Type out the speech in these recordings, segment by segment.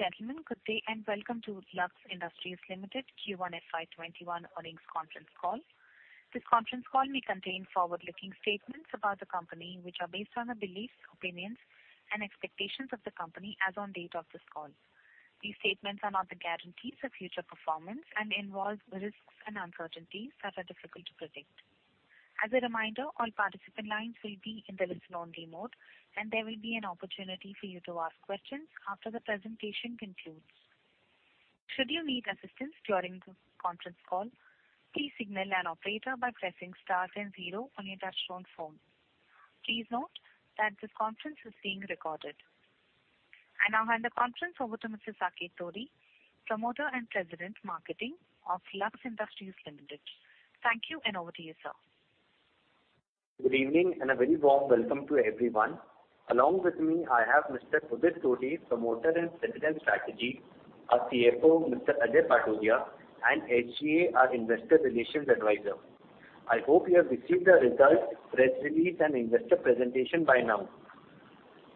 Ladies and gentlemen, good day, and welcome to Lux Industries Limited Q1 FY 2021 earnings conference call. This conference call may contain forward-looking statements about the company, which are based on the beliefs, opinions, and expectations of the company as on date of this call. These statements are not the guarantees of future performance and involve risks and uncertainties that are difficult to predict. As a reminder, all participant lines will be in the listen-only mode, and there will be an opportunity for you to ask questions after the presentation concludes. Should you need assistance during this conference call, please signal an operator by pressing star then zero on your touchtone phone. Please note that this conference is being recorded. I now hand the conference over to Mr. Saket Todi, Promoter and President, Marketing of Lux Industries Limited. Thank you, and over to you, sir. Good evening, and a very warm welcome to everyone. Along with me, I have Mr. Udit Todi, Promoter and President, Strategy; our CFO, Mr. Ajay Patodia; and SGA, our Investor Relations Advisor. I hope you have received the results, press release, and investor presentation by now.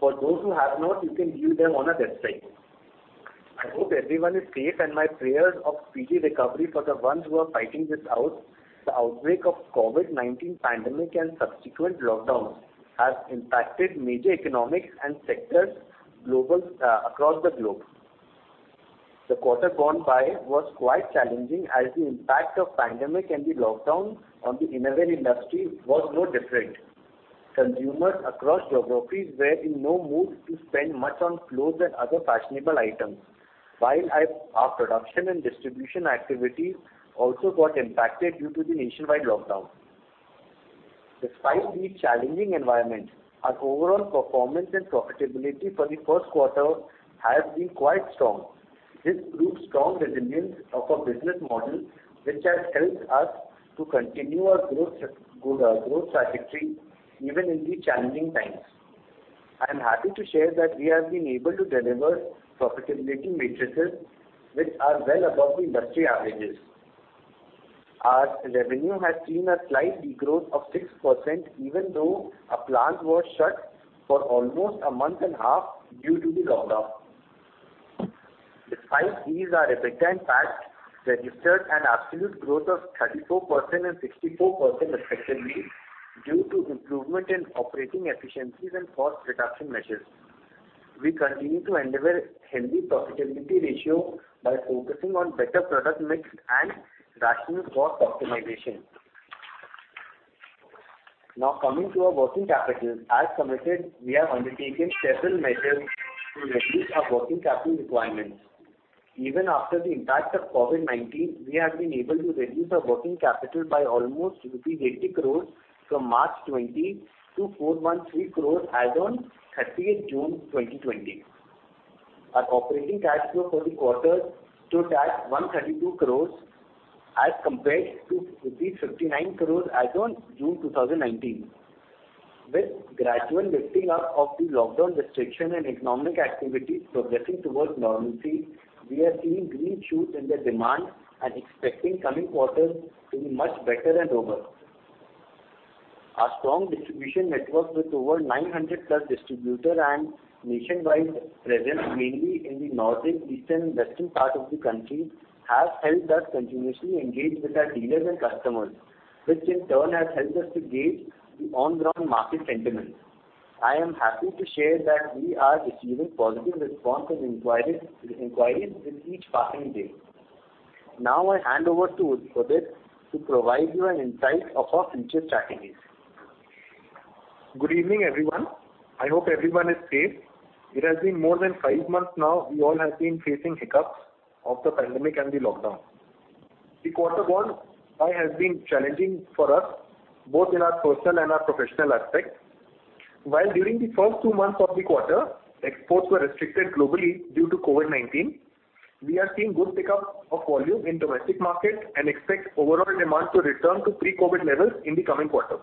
For those who have not, you can view them on our website. I hope everyone is safe, and my prayers of speedy recovery for the ones who are fighting this out. The outbreak of COVID-19 pandemic and subsequent lockdowns has impacted major economies and sectors global, across the globe. The quarter gone by was quite challenging, as the impact of pandemic and the lockdown on the innerwear industry was no different. Consumers across geographies were in no mood to spend much on clothes and other fashionable items, while our production and distribution activities also got impacted due to the nationwide lockdown. Despite the challenging environment, our overall performance and profitability for the first quarter have been quite strong. This proves strong resilience of our business model, which has helped us to continue our growth trajectory even in the challenging times. I am happy to share that we have been able to deliver profitability metrics, which are well above the industry averages. Our revenue has seen a slight degrowth of 6%, even though our plants were shut for almost a month and a half due to the lockdown. Despite these, our EBITDA and PAT registered an absolute growth of 34% and 64%, respectively, due to improvement in operating efficiencies and cost reduction measures. We continue to endeavor healthy profitability ratio by focusing on better product mix and rational cost optimization. Now, coming to our working capital, as committed, we have undertaken several measures to reduce our working capital requirements. Even after the impact of COVID-19, we have been able to reduce our working capital by almost rupees 80 crores from March 2020 to 413 crores as on June 30, 2020. Our operating cash flow for the quarter stood at 132 crores, as compared to 59 crores as on June 2019. With gradual lifting up of the lockdown restriction and economic activities progressing towards normalcy, we are seeing green shoots in the demand and expecting coming quarters to be much better than over. Our strong distribution network, with over 900+distributor and nationwide presence, mainly in the northern, eastern, and western part of the country, has helped us continuously engage with our dealers and customers, which in turn has helped us to gauge the on-ground market sentiment. I am happy to share that we are receiving positive response and inquiries with each passing day. Now, I hand over to Udit to provide you an insight of our future strategies. Good evening, everyone. I hope everyone is safe. It has been more than five months now, we all have been facing hiccups of the pandemic and the lockdown. The quarter gone has been challenging for us, both in our personal and our professional aspect. While during the first two months of the quarter, exports were restricted globally due to COVID-19, we are seeing good pickup of volume in domestic market and expect overall demand to return to pre-COVID levels in the coming quarter.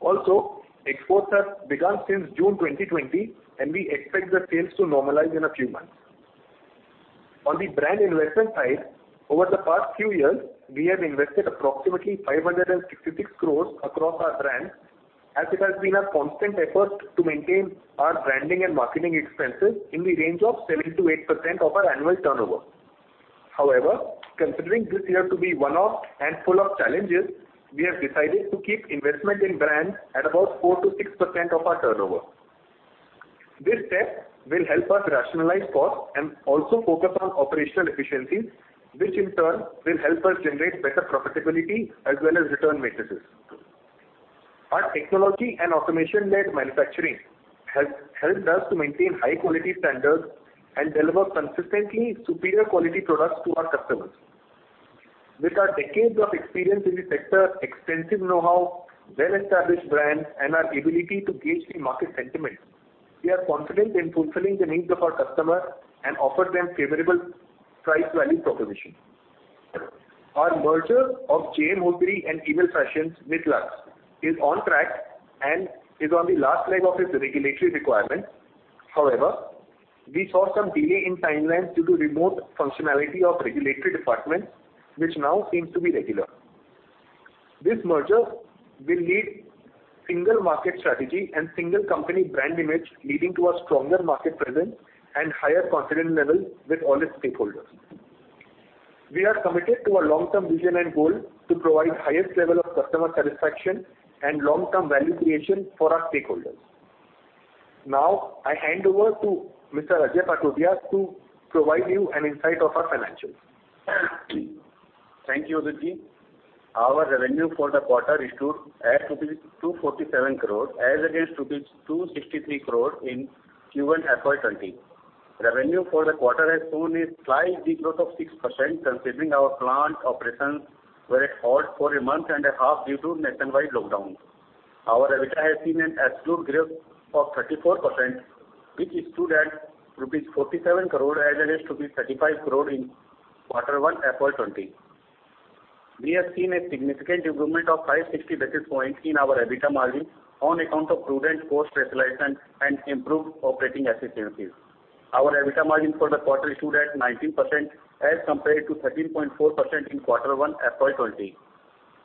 Also, exports have begun since June 2020, and we expect the sales to normalize in a few months. On the brand investment side, over the past few years, we have invested approximately 566 crores across our brands, as it has been our constant effort to maintain our branding and marketing expenses in the range of 7%-8% of our annual turnover. However, considering this year to be one-off and full of challenges, we have decided to keep investment in brands at about 4%-6% of our turnover. This step will help us rationalize costs and also focus on operational efficiencies, which in turn will help us generate better profitability as well as return matrices. Our technology and automation-led manufacturing has helped us to maintain high quality standards and deliver consistently superior quality products to our customers. With our decades of experience in the sector, extensive know-how, well-established brands, and our ability to gauge the market sentiment, we are confident in fulfilling the needs of our customers and offer them favorable price-value proposition. Our merger of J.M. Hosiery and Ebell Fashions with Lux is on track and is on the last leg of its regulatory requirement. However, we saw some delay in timelines due to remote functionality of regulatory departments, which now seems to be regular. This merger will lead single market strategy and single company brand image, leading to a stronger market presence and higher confidence level with all its stakeholders. We are committed to a long-term vision and goal to provide highest level of customer satisfaction and long-term value creation for our stakeholders. Now, I hand over to Mr. Ajay Patodia, to provide you an insight of our financials. Thank you, Udit. Our revenue for the quarter stood at 247 crores, as against 263 crores in Q1 FY 2020. Revenue for the quarter has shown a slight decline of 6%, considering our plant operations were at halt for a month and a half due to nationwide lockdown. Our EBITDA has seen an absolute growth of 34%, which is stood at rupees 47 crore, as against rupees 35 crore in quarter one FY 2020. We have seen a significant improvement of 560 basis points in our EBITDA margin on account of prudent cost rationalization and improved operating efficiencies. Our EBITDA margin for the quarter stood at 19%, as compared to 13.4% in quarter one, FY 2020.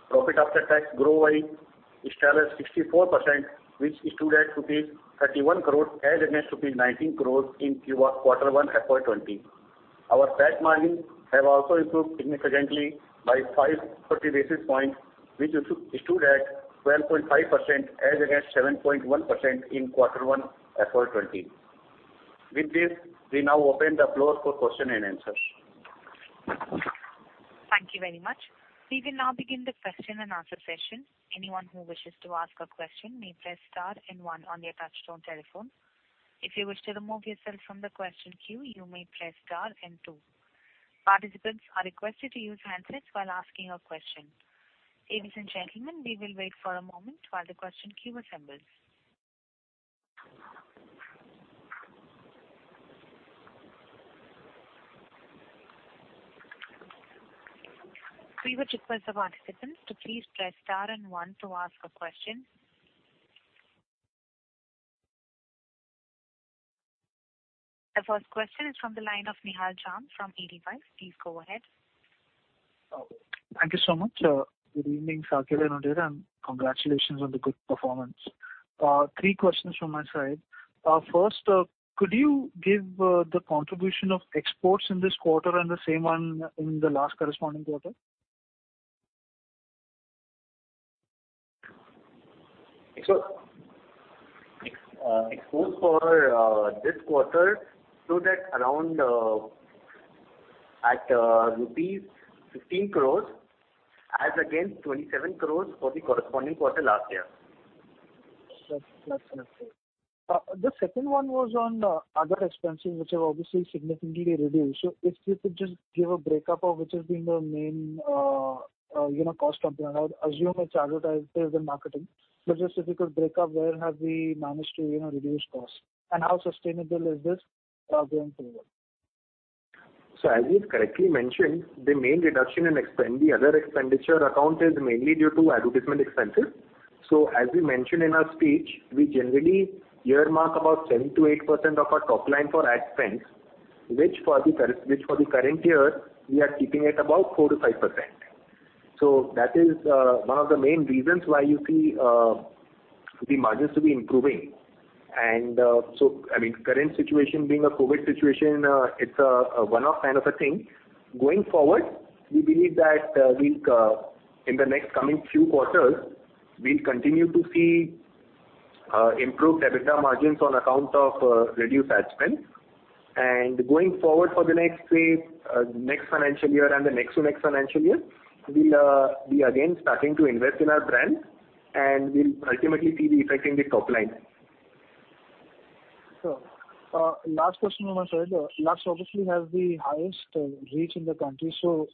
Profit after tax growth rate is 64%, which is stood at 31 crore, as against 19 crore in Q1, quarter one, FY 2020. Our tax margins have also improved significantly by 530 basis points, which is stood at 12.5%, as against 7.1% in quarter one, FY 2020. With this, we now open the floor for question and answers. Thank you very much. We will now begin the question and answer session. Anyone who wishes to ask a question may press star and one on their touchtone telephone. If you wish to remove yourself from the question queue, you may press star and two. Participants are requested to use handsets while asking a question. Ladies and gentlemen, we will wait for a moment while the question queue assembles. We would request the participants to please press star and one to ask a question. The first question is from the line of Nihal Jham from Edelweiss Securities. Please go ahead. Thank you so much. Good evening, Saket and Udit, and congratulations on the good performance. Three questions from my side. First, could you give the contribution of exports in this quarter and the same one in the last corresponding quarter? Exports for this quarter stood at around rupees 15 crores, as against 27 crores for the corresponding quarter last year. That's okay. The second one was on the other expenses, which have obviously significantly reduced. So if you could just give a breakup of which has been the main, you know, cost component. I would assume it's advertising and marketing, but just if you could break up, where have we managed to, you know, reduce costs? And how sustainable is this going forward? So as you've correctly mentioned, the main reduction in the other expenditure account is mainly due to advertisement expenses. So as we mentioned in our speech, we generally earmark about 7-8% of our top line for ad spends, which for the current year, we are keeping it about 4-5%. So that is one of the main reasons why you see the margins to be improving. And so, I mean, current situation being a COVID situation, it's a one-off kind of a thing. Going forward, we believe that we'll in the next coming few quarters, we'll continue to see improved EBITDA margins on account of reduced ad spend. Going forward for the next, say, next financial year and the next to next financial year, we'll be again starting to invest in our brand, and we'll ultimately see the effect in the top line. So, last question on my side. Lux obviously has the highest reach in the country. So,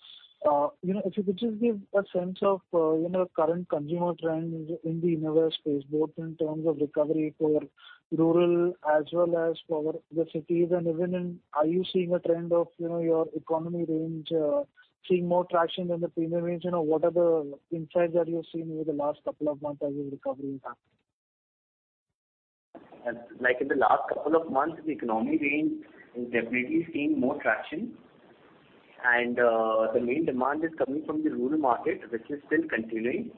you know, if you could just give a sense of, you know, current consumer trends in the innerwear space, both in terms of recovery for rural as well as for the cities. And even in, are you seeing a trend of, you know, your economy range seeing more traction than the premium range? You know, what are the insights that you've seen over the last couple of months as the recovery happened? Like in the last couple of months, the economy range is definitely seeing more traction. And, the main demand is coming from the rural market, which is still continuing.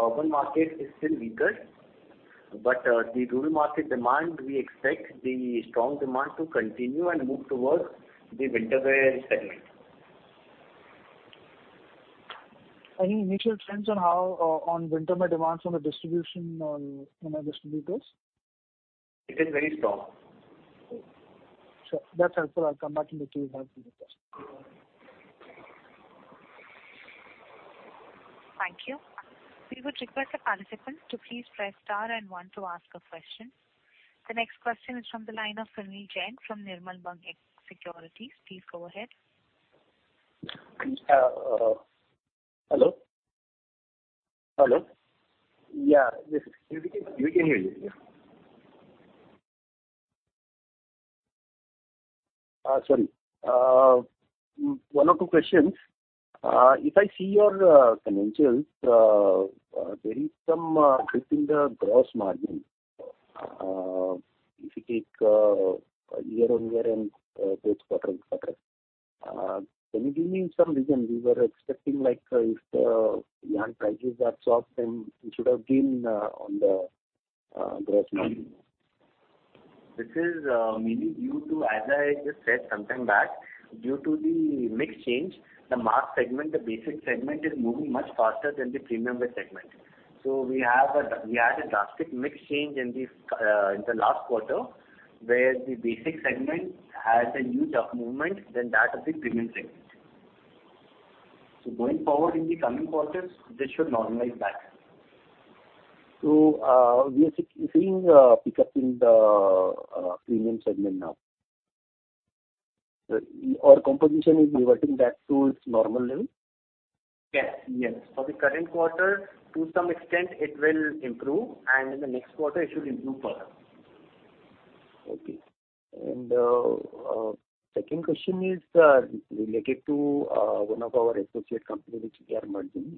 Urban market is still weaker, but, the rural market demand, we expect the strong demand to continue and move towards the winter wear segment. Any initial trends on how winter wear demands on the distribution among distributors? It is very strong. Sure. That's helpful. I'll come back in the queue with another question. Thank you. We would request the participant to please press Star and one to ask a question. The next question is from the line of Sunil Jain from Nirmal Bang Securities. Please go ahead. Hello? Hello. Yeah, yes, we can hear you. Sorry. One or two questions. If I see your financials, there is some drift in the gross margin.... if you take year-on-year and quarter on quarter, can you give me some reason? We were expecting, like, if the yarn prices are soft, then it should have been on the gross margin. This is mainly due to, as I just said sometime back, due to the mix change, the mass segment, the basic segment is moving much faster than the premium wear segment. So we had a drastic mix change in the last quarter, where the basic segment has a huge up movement than that of the premium segment. So going forward in the coming quarters, this should normalize back. So, we are seeing pickup in the premium segment now? Or composition is reverting back to its normal level? Yes, yes. For the current quarter, to some extent, it will improve, and in the next quarter, it should improve further. Okay. And second question is related to one of our associate company, which we are merging,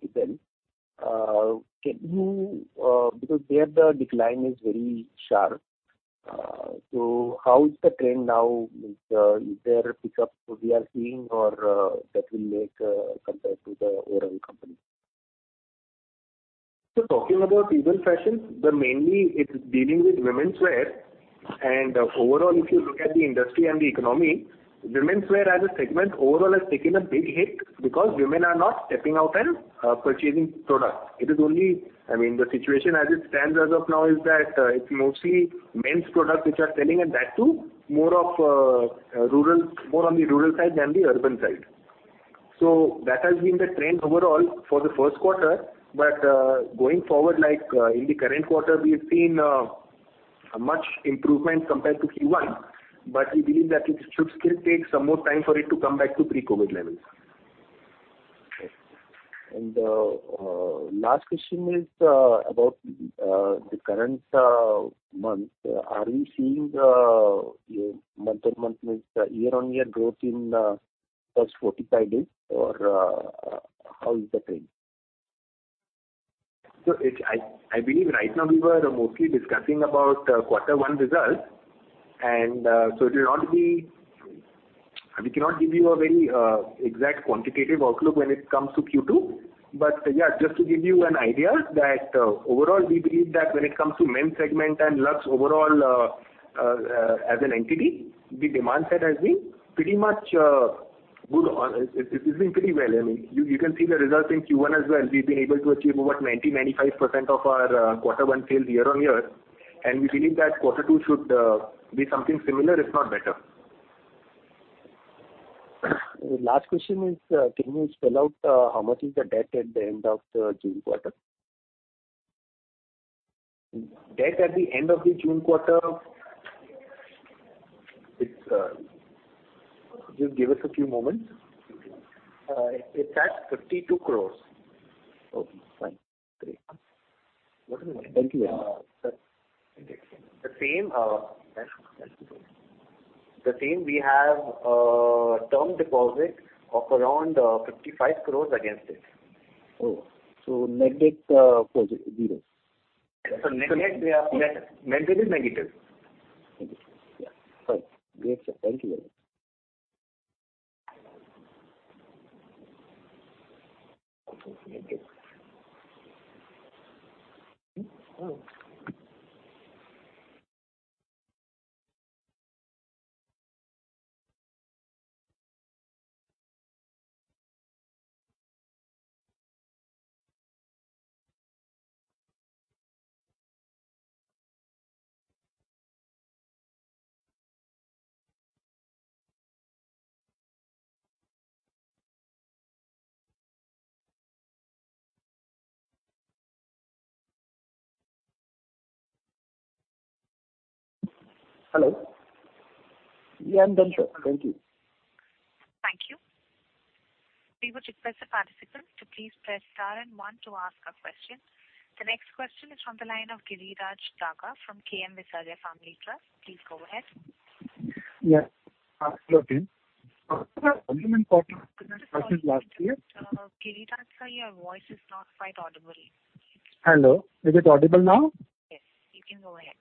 Ebell. Can you, because there the decline is very sharp, so how is the trend now? Is there a pickup we are seeing or that will make compared to the overall company? Talking about Ebell Fashions, but mainly it's dealing with women's wear. And overall, if you look at the industry and the economy, women's wear as a segment overall has taken a big hit because women are not stepping out and purchasing product. It is only... I mean, the situation as it stands as of now is that it's mostly men's products which are selling, and that too, more of rural, more on the rural side than the urban side. So that has been the trend overall for the first quarter, but going forward, like, in the current quarter, we have seen much improvement compared to Q1, but we believe that it should still take some more time for it to come back to pre-COVID levels. Okay. And last question is about the current month. Are you seeing year-on-month, means year-on-year growth in first forty-five days, or how is the trend? I believe right now we were mostly discussing about Quarter One results, and so it will not be. We cannot give you a very exact quantitative outlook when it comes to Q2. But yeah, just to give you an idea, overall we believe that when it comes to men's segment and Lux overall as an entity, the demand side has been pretty much good. It's been pretty well. I mean, you can see the results in Q1 as well. We've been able to achieve over 95% of our Quarter One sales year on year, and we believe that Quarter Two should be something similar, if not better. Last question is, can you spell out, how much is the debt at the end of the June quarter? Debt at the end of the June quarter, it's. Just give us a few moments. It's at 52 crores. Okay, fine. Great. Thank you. The same, we have a term deposit of around 55 crores against it. Oh, so net debt, zero. Net-net, net debt is negative. Yeah. Fine. Great, sir. Thank you very much. Hello? Yeah, I'm done, sir. Thank you. Thank you. We would request the participant to please press star and one to ask a question. The next question is from the line of Giriraj Daga from K.M. Visaria Family Trust. Please go ahead. Yeah. Hello, team. Giriraj, sir, your voice is not quite audible. Hello. Is it audible now? Yes, you can go ahead.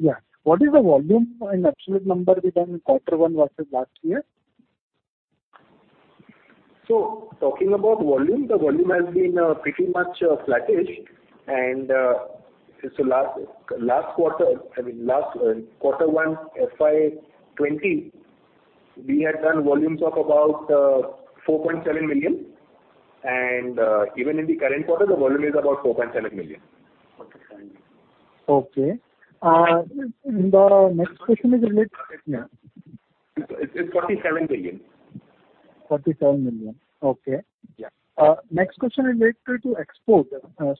Yeah. What is the volume and absolute number we've done Quarter One versus last year? So talking about volume, the volume has been pretty much flattish. And so last quarter, I mean, last Quarter One, FY 2020, we had done volumes of about 4.7 million. And even in the current quarter, the volume is about 4.7 million. Okay, and the next question is related- It's forty-seven million. Forty-seven million. Okay. Yeah. Next question is related to export.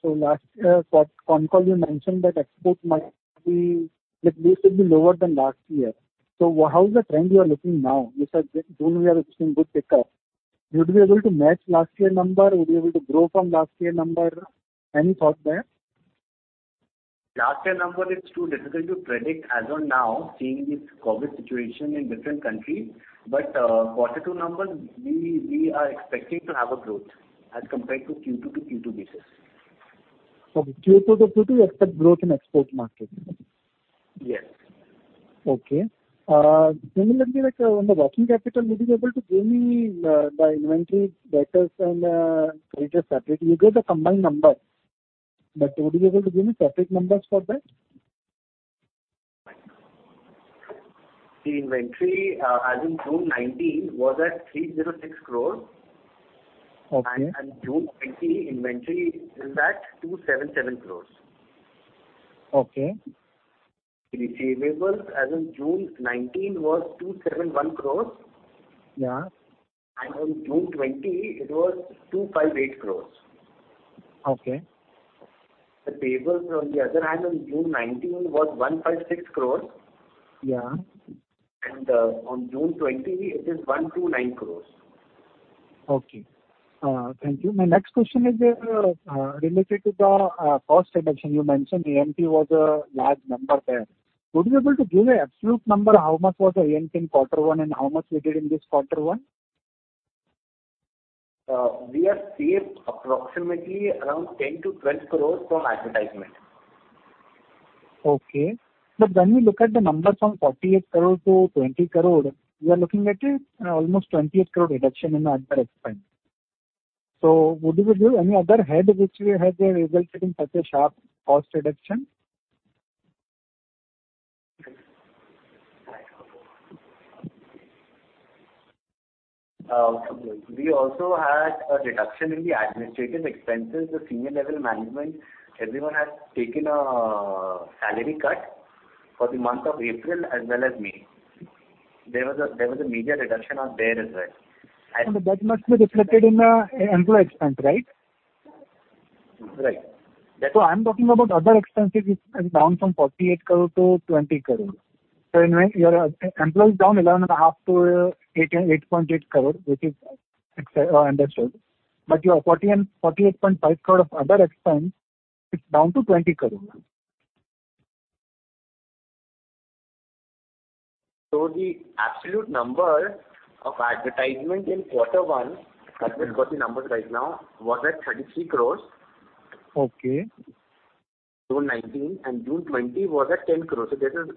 So last year for con call, you mentioned that exports might be, like, basically lower than last year. So how is the trend you are looking now? You said June, we are seeing good pickup. Would we be able to match last year number? Would we be able to grow from last year number? Any thoughts there? Last year number, it's too difficult to predict as of now, seeing this COVID situation in different countries. But, quarter two number, we are expecting to have a growth as compared to Q2 to Q2 basis.... So Q2 to Q2, you expect growth in export market? Yes. Okay. Can you let me like, on the working capital, would you be able to give me, the inventory debtors and, creditors separately? You gave the combined number, but would you be able to give me separate numbers for that? The inventory, as in June 2019, was at 306 crores. Okay. June 2020 inventory is at 277 crores. Okay. Receivables as in June 2019 was 271 crores. Yeah. On June twenty, it was 258 crores. Okay. The payables, on the other hand, on June nineteen, was 156 crores. Yeah. On June twenty, it is 129 crores. Okay. Thank you. My next question is related to the cost reduction. You mentioned A&P was a large number there. Would you be able to give an absolute number, how much was the A&P in quarter one and how much we did in this quarter one? We have saved approximately around 10 crore-12 crore from advertisement. Okay. But when you look at the numbers from 48 crore to 20 crore, we are looking at a almost 28 crore reduction in the ad spend. So would you give any other head which has resulted in such a sharp cost reduction? We also had a reduction in the administrative expenses. The senior level management, everyone has taken a salary cut for the month of April as well as May. There was a major reduction out there as well. And that must be reflected in the employee expense, right? Right. I'm talking about other expenses, which is down from 48 crore to 20 crore. So anyway, your employees down 11.5 to 8.8 crore, which is well understood. But your 48.5 crore of other expense, it's down to 20 crore. So the absolute number of advertisement in quarter one, I just got the numbers right now, was at 33 crores. Okay. June 19 and June 20 was at 10 crores. So there is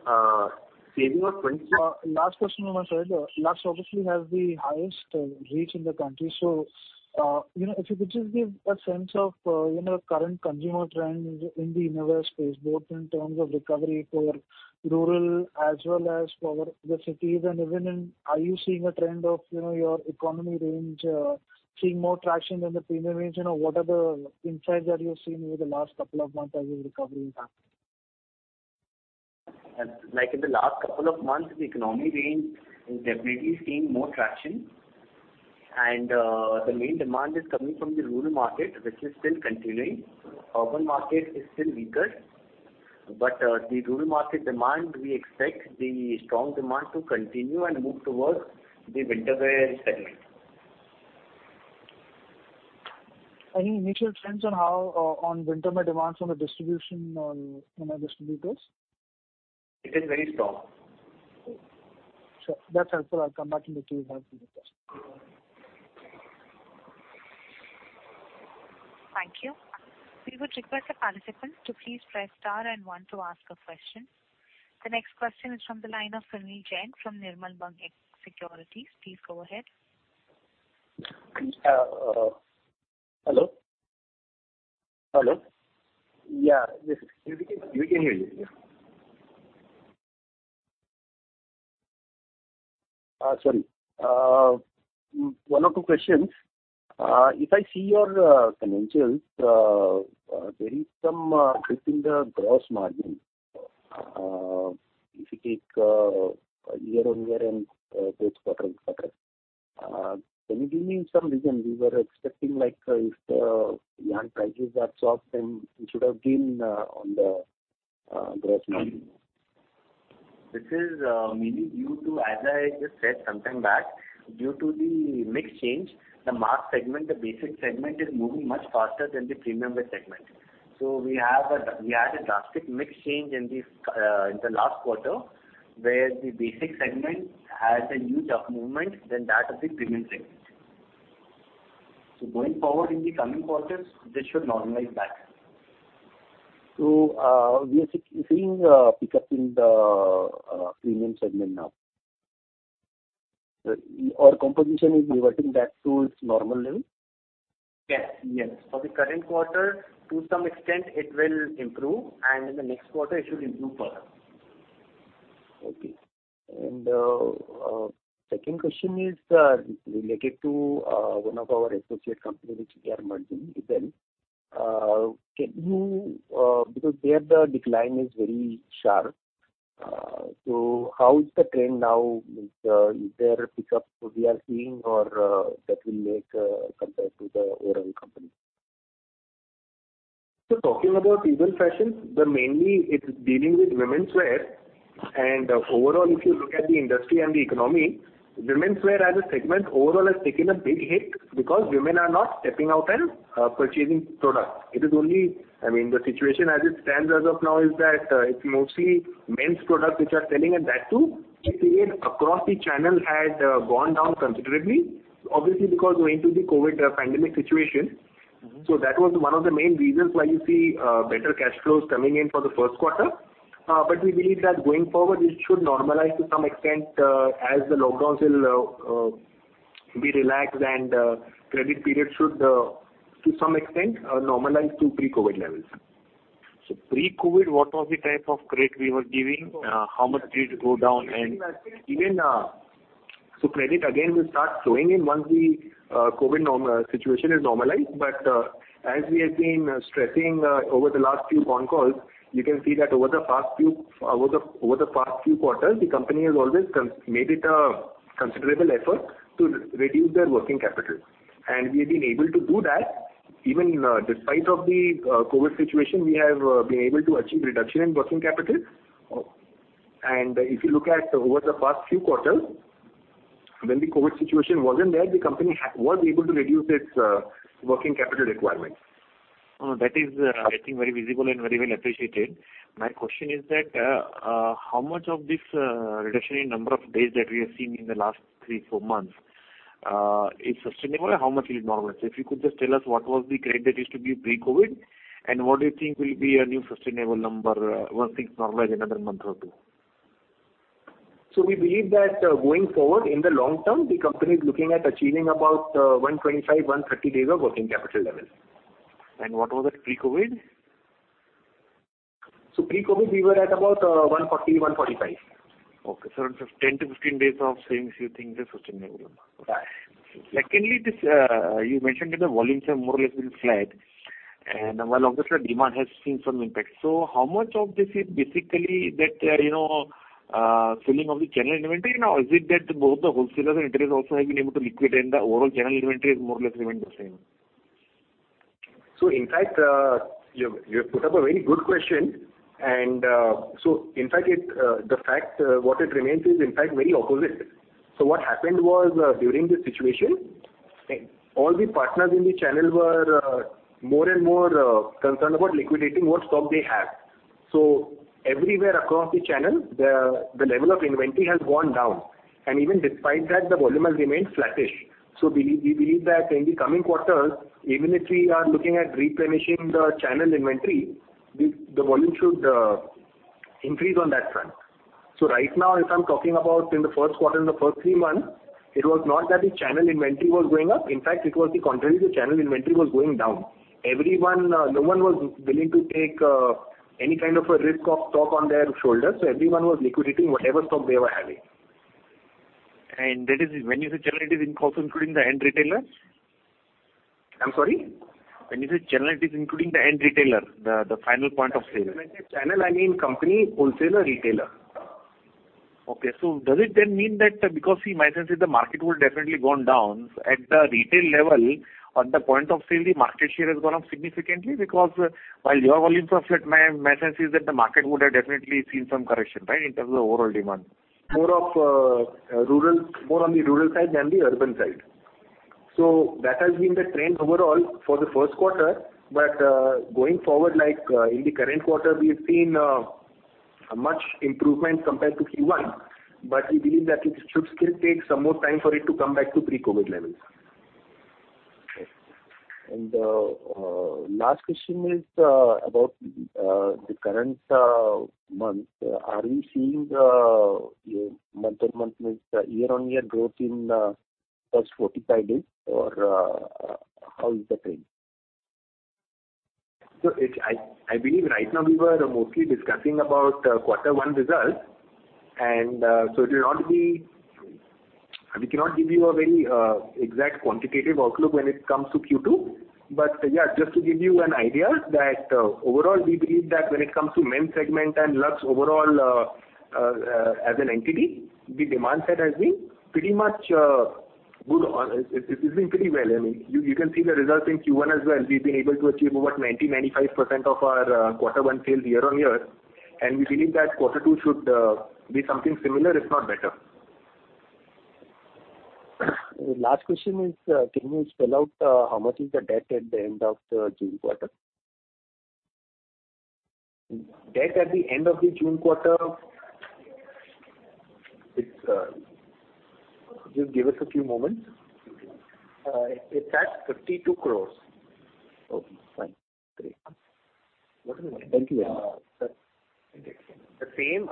saving of 20- Last question on my side. Lux obviously has the highest reach in the country. So, you know, if you could just give a sense of, you know, current consumer trends in the innerwear space, both in terms of recovery for rural as well as for the cities. And even in, are you seeing a trend of, you know, your economy range seeing more traction than the premium range? You know, what are the insights that you've seen over the last couple of months as the recovery happened? Like in the last couple of months, the economy range is definitely seeing more traction. And, the main demand is coming from the rural market, which is still continuing. Urban market is still weaker, but, the rural market demand, we expect the strong demand to continue and move towards the winter wear segment. Any initial trends on how, on winter wear demands from the distribution or from our distributors? It is very strong. So that's helpful. I'll come back to you if I have any questions. Thank you. We would request the participant to please press Star and One to ask a question. The next question is from the line of Sunil Jain from Nirmal Bang Securities. Please go ahead. Hello? Hello. Yeah, yes, we can hear you. Sorry. One or two questions. If I see your financials, there is some drift in the gross margin. If you take year-on-year and quarter-on-quarter, can you give me some reason? We were expecting, like, if the yarn prices are soft, then it should have been on the gross margin. This is mainly due to, as I just said sometime back, due to the mix change, the mass segment, the basic segment is moving much faster than the premium wear segment. So we had a drastic mix change in the last quarter, where the basic segment has a huge up movement than that of the premium segment. So going forward in the coming quarters, this should normalize back. So, we are seeing pick up in the premium segment now? Or composition is reverting back to its normal level? Yes, yes. For the current quarter, to some extent, it will improve, and in the next quarter, it should improve further. Okay. And second question is related to one of our associate company, which we are merging, Ebell. Can you, because there the decline is very sharp. So how is the trend now? Is there a pickup we are seeing or that will make compared to the overall company? Talking about Ebell Fashions, but mainly it's dealing with women's wear. Overall, if you look at the industry and the economy, women's wear as a segment overall has taken a big hit because women are not stepping out and purchasing products. It is only. I mean, the situation as it stands as of now is that it's mostly men's products which are selling, and that too, the trade across the channel had gone down considerably, obviously, because owing to the COVID-19 pandemic situation. That was one of the main reasons why you see better cash flows coming in for the first quarter, but we believe that going forward, it should normalize to some extent as the lockdowns will be relaxed, and credit period should to some extent normalize to pre-COVID levels. So pre-COVID, what was the type of credit we were giving? How much did it go down? And even, So credit again will start flowing in once the COVID situation is normalized. But as we have been stressing over the last few conf calls, you can see that over the past few quarters, the company has always made it a considerable effort to reduce their working capital. And we have been able to do that. Even despite of the COVID situation, we have been able to achieve reduction in working capital. And if you look at over the past few quarters, when the COVID situation wasn't there, the company was able to reduce its working capital requirements. Oh, that is, I think, very visible and very well appreciated. My question is that, how much of this, reduction in number of days that we have seen in the last three, four months, is sustainable, and how much will it normalize? If you could just tell us, what was the credit that used to be pre-COVID, and what do you think will be a new sustainable number, once things normalize another month or two? So we believe that, going forward, in the long term, the company is looking at achieving about, one twenty-five, one thirty days of working capital levels. What was it pre-COVID? So pre-COVID, we were at about 140, 145. Okay, so 10-15 days of savings, you think, is sustainable? Right. Secondly, this, you mentioned that the volumes have more or less been flat, and well, obviously, the demand has seen some impact. So how much of this is basically that, you know, selling of the channel inventory? Or is it that both the wholesalers and retailers also have been able to liquidate, and the overall channel inventory is more or less remained the same? So in fact, you, you've put up a very good question. And so in fact, it, the fact, what it remains is, in fact, very opposite. So what happened was, during this situation, all the partners in the channel were more and more concerned about liquidating what stock they had. So everywhere across the channel, the level of inventory has gone down, and even despite that, the volume has remained flattish. So we believe that in the coming quarters, even if we are looking at replenishing the channel inventory, the volume should increase on that front. So right now, if I'm talking about in the first quarter, in the first three months, it was not that the channel inventory was going up. In fact, it was the contrary. The channel inventory was going down. Everyone... No one was willing to take any kind of a risk of stock on their shoulders, so everyone was liquidating whatever stock they were having. And that is, when you say channel, it is also including the end retailer? I'm sorry? When you say channel, it is including the end retailer, the final point of sale. When I say channel, I mean company, wholesaler, retailer. Okay. So does it then mean that, because, see, my sense is the market would definitely gone down. At the retail level, on the point of sale, the market share has gone up significantly? Because, while your volumes are flat, my sense is that the market would have definitely seen some correction, right, in terms of overall demand. More of, rural, more on the rural side than the urban side. So that has been the trend overall for the first quarter. But, going forward, like, in the current quarter, we have seen a much improvement compared to Q1, but we believe that it should still take some more time for it to come back to pre-COVID levels. Last question is about the current month. Are you seeing month on month, means year-on-year growth in the first 45 days, or how is the trend? I believe right now we were mostly discussing about Quarter One results, and so it will not be. We cannot give you a very exact quantitative outlook when it comes to Q2. But yeah, just to give you an idea, overall, we believe that when it comes to men's segment and Lux overall as an entity, the demand side has been pretty much good. It has been pretty well. I mean, you can see the results in Q1 as well. We've been able to achieve over 95% of our Quarter One sales year on year, and we believe that Quarter Two should be something similar, if not better. Last question is, can you spell out, how much is the debt at the end of the June quarter? Debt at the end of the June quarter, it's. Just give us a few moments. It's at 52 crores. Okay, fine. Great. Thank you. The same,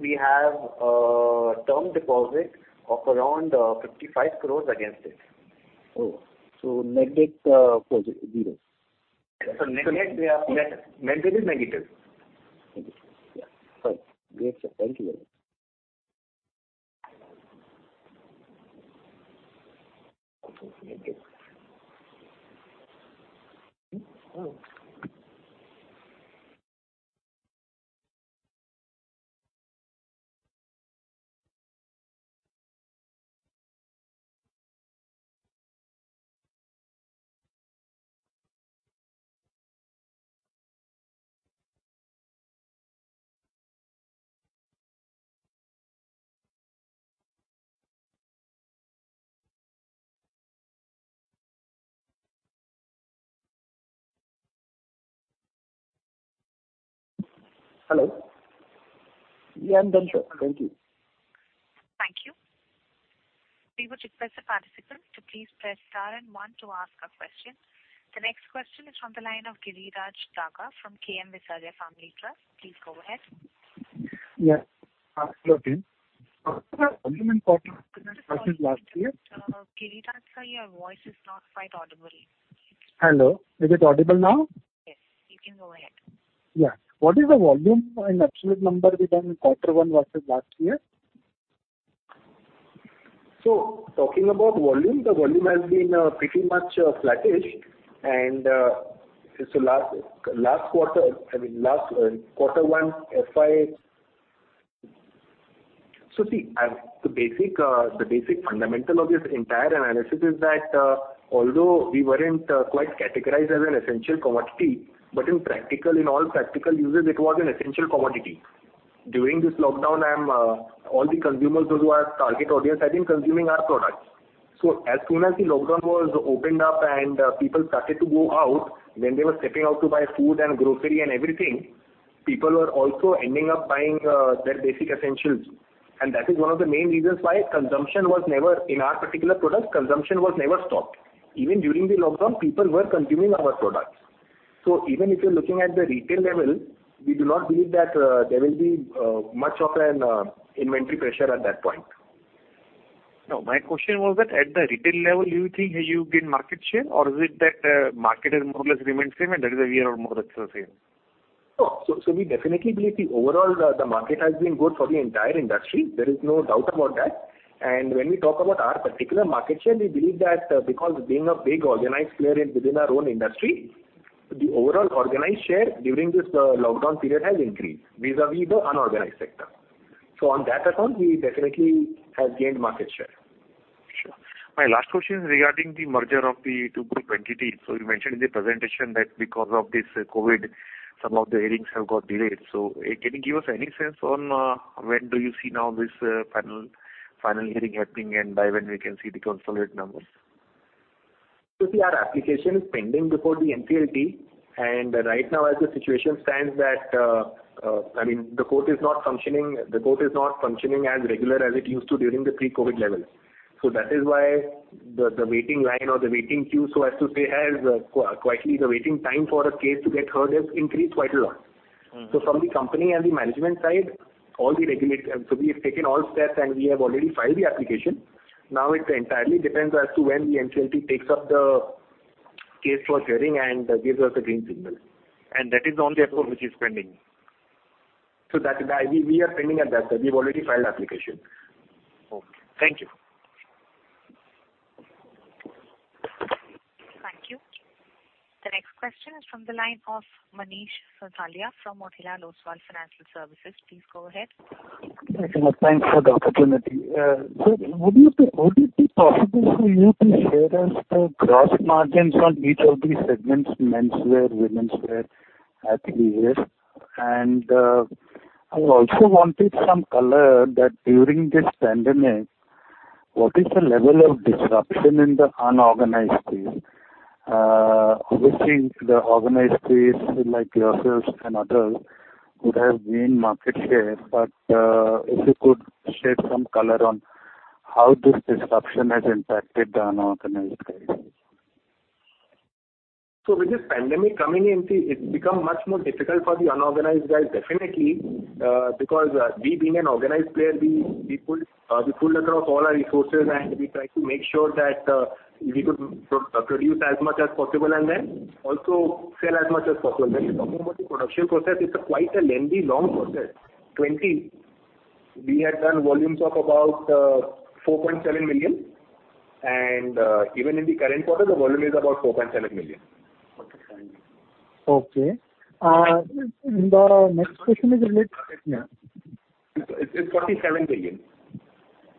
we have a term deposit of around 55 crores against it. Oh, so net debt, zero. So net debt, yeah. Net, net debt is negative. Yeah. Fine. Great, sir. Thank you very much... Hello? Yeah, I'm done, sir. Thank you. Thank you. We would request the participant to please press star and one to ask a question. The next question is from the line of Giriraj Daga from K.M. Visaria Family Trust. Please go ahead. Yeah. Hello, team. Volume and quarter versus last year? Giriraj sir, your voice is not quite audible. Hello. Is it audible now? Yes, you can go ahead. Yeah. What is the volume and absolute number we've done quarter one versus last year? So talking about volume, the volume has been pretty much flattish, and so last quarter, I mean, last quarter one FY. So see, as the basic fundamental of this entire analysis is that although we weren't quite categorized as an essential commodity, but in practical, in all practical uses, it was an essential commodity. During this lockdown, all the consumers who are our target audience have been consuming our products. So as soon as the lockdown was opened up and people started to go out, when they were stepping out to buy food and grocery and everything, people were also ending up buying their basic essentials. And that is one of the main reasons why consumption was never, in our particular product, consumption was never stopped. Even during the lockdown, people were consuming our products. So even if you're looking at the retail level, we do not believe that there will be much of an inventory pressure at that point. No, my question was that at the retail level, do you think you've gained market share, or is it that, market has more or less remained same, and that is why we are more or less the same? No, so we definitely believe the overall, the market has been good for the entire industry. There is no doubt about that. And when we talk about our particular market share, we believe that, because being a big organized player within our own industry, the overall organized share during this lockdown period has increased vis-a-vis the unorganized sector, so on that account, we definitely have gained market share. Sure. My last question is regarding the merger of the two group entities. So you mentioned in the presentation that because of this COVID, some of the hearings have got delayed. So, can you give us any sense on, when do you see now this, final, final hearing happening, and by when we can see the consolidated numbers? So see, our application is pending before the NCLT, and right now, as the situation stands, that I mean, the court is not functioning as regularly as it used to during the pre-COVID levels. So that is why the waiting line or the waiting queue, so as to say, the waiting time for a case to get heard has increased quite a lot. Mm. So from the company and the management side, all the regulatory, so we have taken all steps, and we have already filed the application. Now, it entirely depends as to when the NCLT takes up the case for hearing and gives us the green signal. That is the only approval which is pending? So that we are pending at that stage. We've already filed application. Okay. Thank you. Thank you. The next question is from the line of Manish Sonthalia from Motilal Oswal Financial Services. Please go ahead. Thank you, ma'am. Thanks for the opportunity. So would you, would it be possible for you to share us the gross margins on each of the segments, menswear, womenswear, athleisure? And I also wanted some color that during this pandemic, what is the level of disruption in the unorganized space? Obviously, the organized space, like yourselves and others, would have gained market share, but if you could shed some color on how this disruption has impacted the unorganized space. So with this pandemic coming in, see, it's become much more difficult for the unorganized guys, definitely, because we being an organized player, we pulled across all our resources, and we tried to make sure that we could produce as much as possible and then also sell as much as possible. When you're talking about the production process, it's quite a lengthy, long process. Twenty, we had done volumes of about four point seven million, and even in the current quarter, the volume is about four point seven million. Okay, and the next question is related- It's forty-seven million.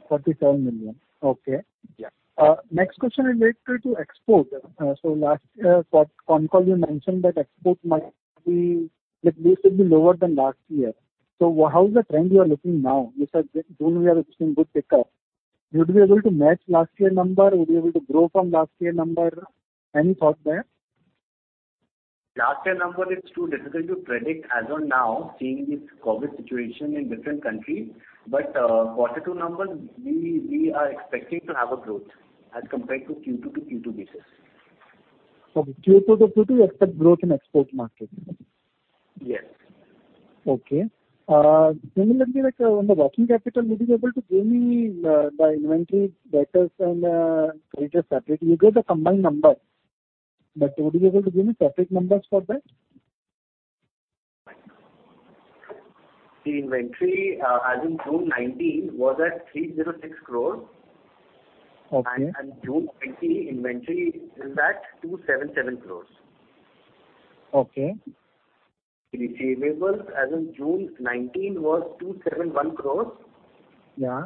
Forty-seven million. Okay. Yeah. Next question is related to export. So last year con call, you mentioned that export might be, like, basically lower than last year. So how is the trend you are looking now? You said June, we are seeing good pickup. Would you be able to match last year number? Would you be able to grow from last year number? Any thoughts there? Last year number, it's too difficult to predict as of now, seeing this COVID situation in different countries, but quarter two numbers, we are expecting to have a growth as compared to Q2 to Q2 basis. From Q2 to Q2, you expect growth in export market? Yes. Okay. Generally, like, on the working capital, would you be able to give me the inventory debtors and creditors separately? You gave the combined number, but would you be able to give me separate numbers for that? The inventory, as in June 2019, was at 306 crore. Okay. June 2020, inventory is at 277 crores. Okay. Receivables as in June 2019 was 271 crores. Yeah.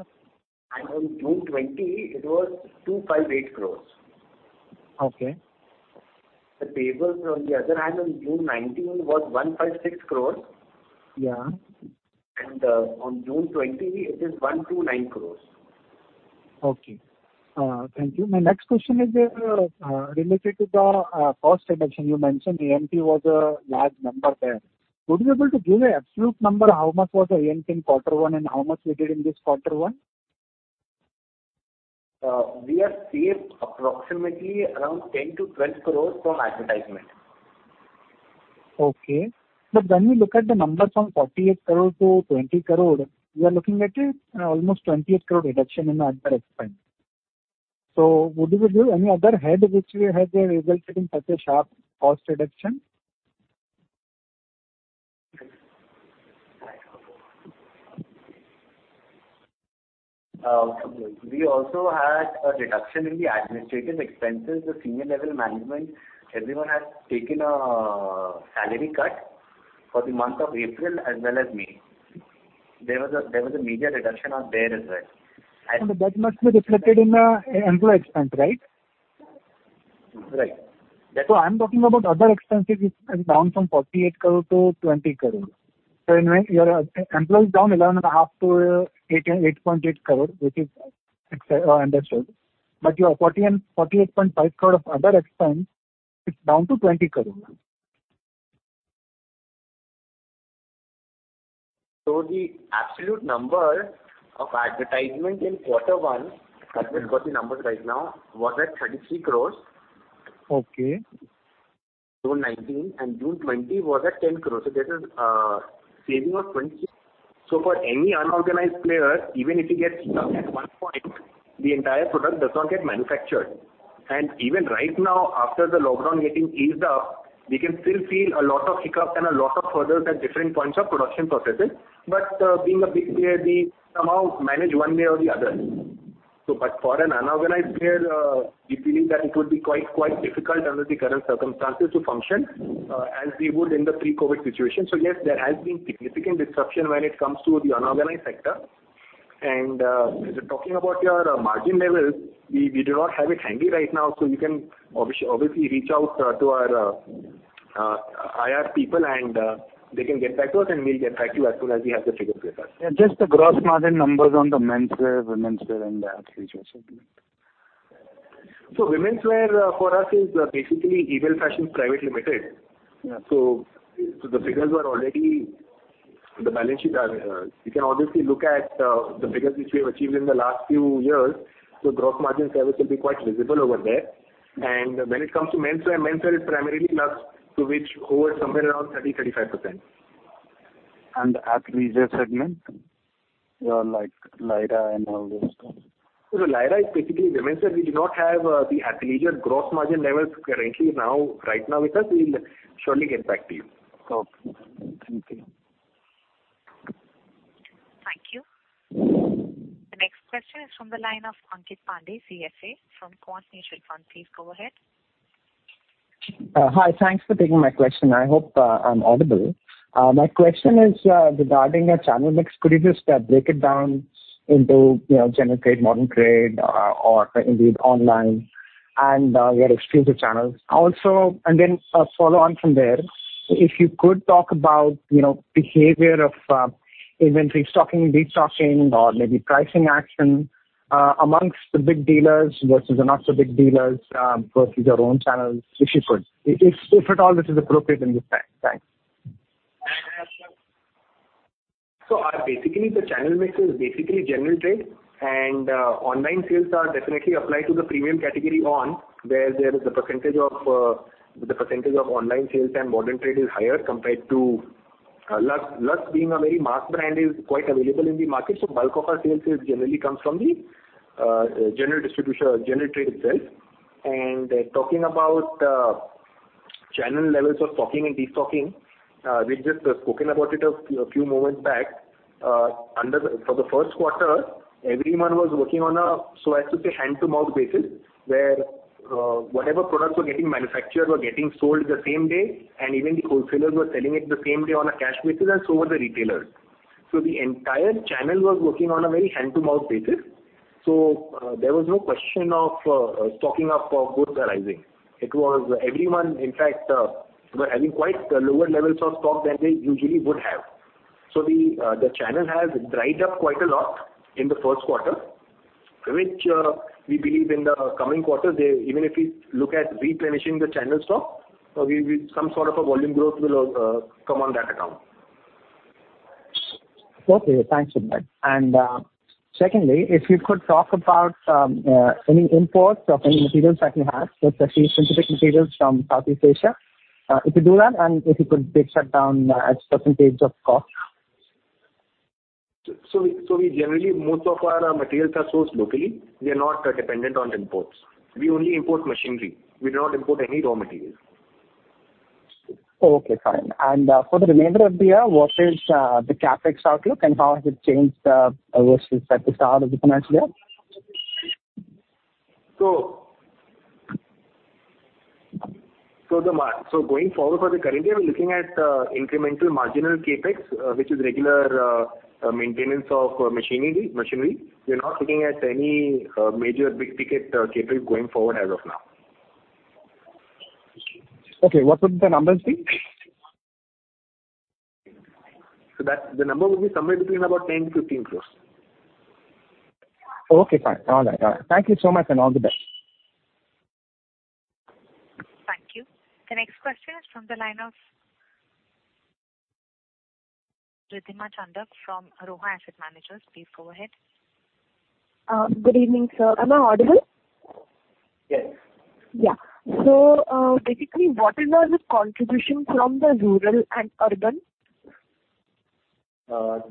On June twenty, it was 258 crores. Okay. The payables, on the other hand, on June 19, was 156 crores. Yeah. On June 20, it is 129 crores. Okay, thank you. My next question is related to the cost reduction. You mentioned A&P was a large number there. Would you be able to give an absolute number, how much was the A&P in quarter one, and how much we did in this quarter one? We have saved approximately around 10-12 crores from advertisement. Okay. But when you look at the numbers from 48 crore to 20 crore, we are looking at a almost 28 crore reduction in the other expense. So would you give any other head which we have there resulting such a sharp cost reduction? We also had a reduction in the administrative expenses, the senior level management. Everyone has taken a salary cut for the month of April as well as May. There was a major reduction on there as well. That must be reflected in the employee expense, right? Right. So I'm talking about other expenses, which is down from 48 crore to 20 crore. So your employees down 11.5 to 8.8 crore, which is understood. But your 40 and 48.5 crore of other expense is down to 20 crore. The absolute number of advertisement in quarter one, I'll just get the numbers right now, was at 33 crores. Okay. June nineteen, and June twenty was at 10 crores. So there's a saving of 20. So for any unorganized player, even if he gets stuck at one point, the entire product does not get manufactured. And even right now, after the lockdown getting eased up, we can still see a lot of hiccups and a lot of hurdles at different points of production processes. But being a big player, we somehow manage one way or the other. For an unorganized player, we believe that it would be quite, quite difficult under the current circumstances to function as we would in the pre-COVID situation. Yes, there has been significant disruption when it comes to the unorganized sector. Talking about your margin levels, we do not have it handy right now, so you can obviously reach out to our IR people, and they can get back to us, and we'll get back to you as soon as we have the figures with us. Yeah, just the gross margin numbers on the menswear, womenswear, and the athleisure segment. Women's wear, for us, is basically Ebell Fashions Private Limited. Yeah. So, the figures were already. The balance sheet, you can obviously look at, the figures which we have achieved in the last few years, so gross margins will be quite visible over there. When it comes to menswear, menswear is primarily Lux, to which hover somewhere around 30-35%. And athleisure segment, like Lyra and all those things. So Lyra is basically menswear. We do not have the athleisure gross margin levels currently now, right now with us. We'll surely get back to you. Okay. Thank you. Thank you. The next question is from the line of Ankit Pande, CFA, from Quant Mutual Fund. Please go ahead. Hi. Thanks for taking my question. I hope I'm audible. My question is regarding a channel mix. Could you just break it down into, you know, general trade, modern trade, or indeed online, and your exclusive channels? Also, and then a follow-on from there, if you could talk about, you know, behavior of inventory stocking, de-stocking, or maybe pricing action amongst the big dealers versus the not so big dealers versus your own channels, if you could. If at all this is appropriate in this time. Thanks. So basically, the channel mix is basically general trade, and online sales are definitely applied to the premium category only, where there is a percentage of online sales and modern trade is higher compared to Lux. Lux being a very mass brand, is quite available in the market, so bulk of our sales is generally comes from the general distribution, general trade itself. And talking about channel levels of stocking and de-stocking, we've just spoken about it a few moments back. For the first quarter, everyone was working on a so as to say hand-to-mouth basis, where whatever products were getting manufactured were getting sold the same day, and even the wholesalers were selling it the same day on a cash basis, and so were the retailers. So the entire channel was working on a very hand-to-mouth basis. So, there was no question of, stocking up of goods arising. It was everyone... In fact, were having quite lower levels of stock than they usually would have. So the channel has dried up quite a lot in the first quarter, which, we believe in the coming quarter, they - even if we look at replenishing the channel stock, we some sort of a volume growth will, come on that account. Okay, thanks for that, and secondly, if you could talk about any imports of any materials that you have, specific materials from Southeast Asia. If you do that, and if you could break that down as percentage of cost. We generally, most of our materials are sourced locally. We are not dependent on imports. We only import machinery. We do not import any raw materials. Okay, fine. And for the remainder of the year, what is the CapEx outlook, and how has it changed versus at the start of the financial year? So going forward for the current year, we're looking at incremental marginal CapEx, which is regular maintenance of machinery. We're not looking at any major big-ticket CapEx going forward as of now.... Okay, what would the numbers be? So that, the number will be somewhere between about 10-15 crores. Okay, fine. All right, all right. Thank you so much, and all the best. Thank you. The next question is from the line of Riddhima Chandak from Rohan Asset Managers. Please go ahead. Good evening, sir. Am I audible? Yes. Yeah. So, basically, what is the contribution from the rural and urban? The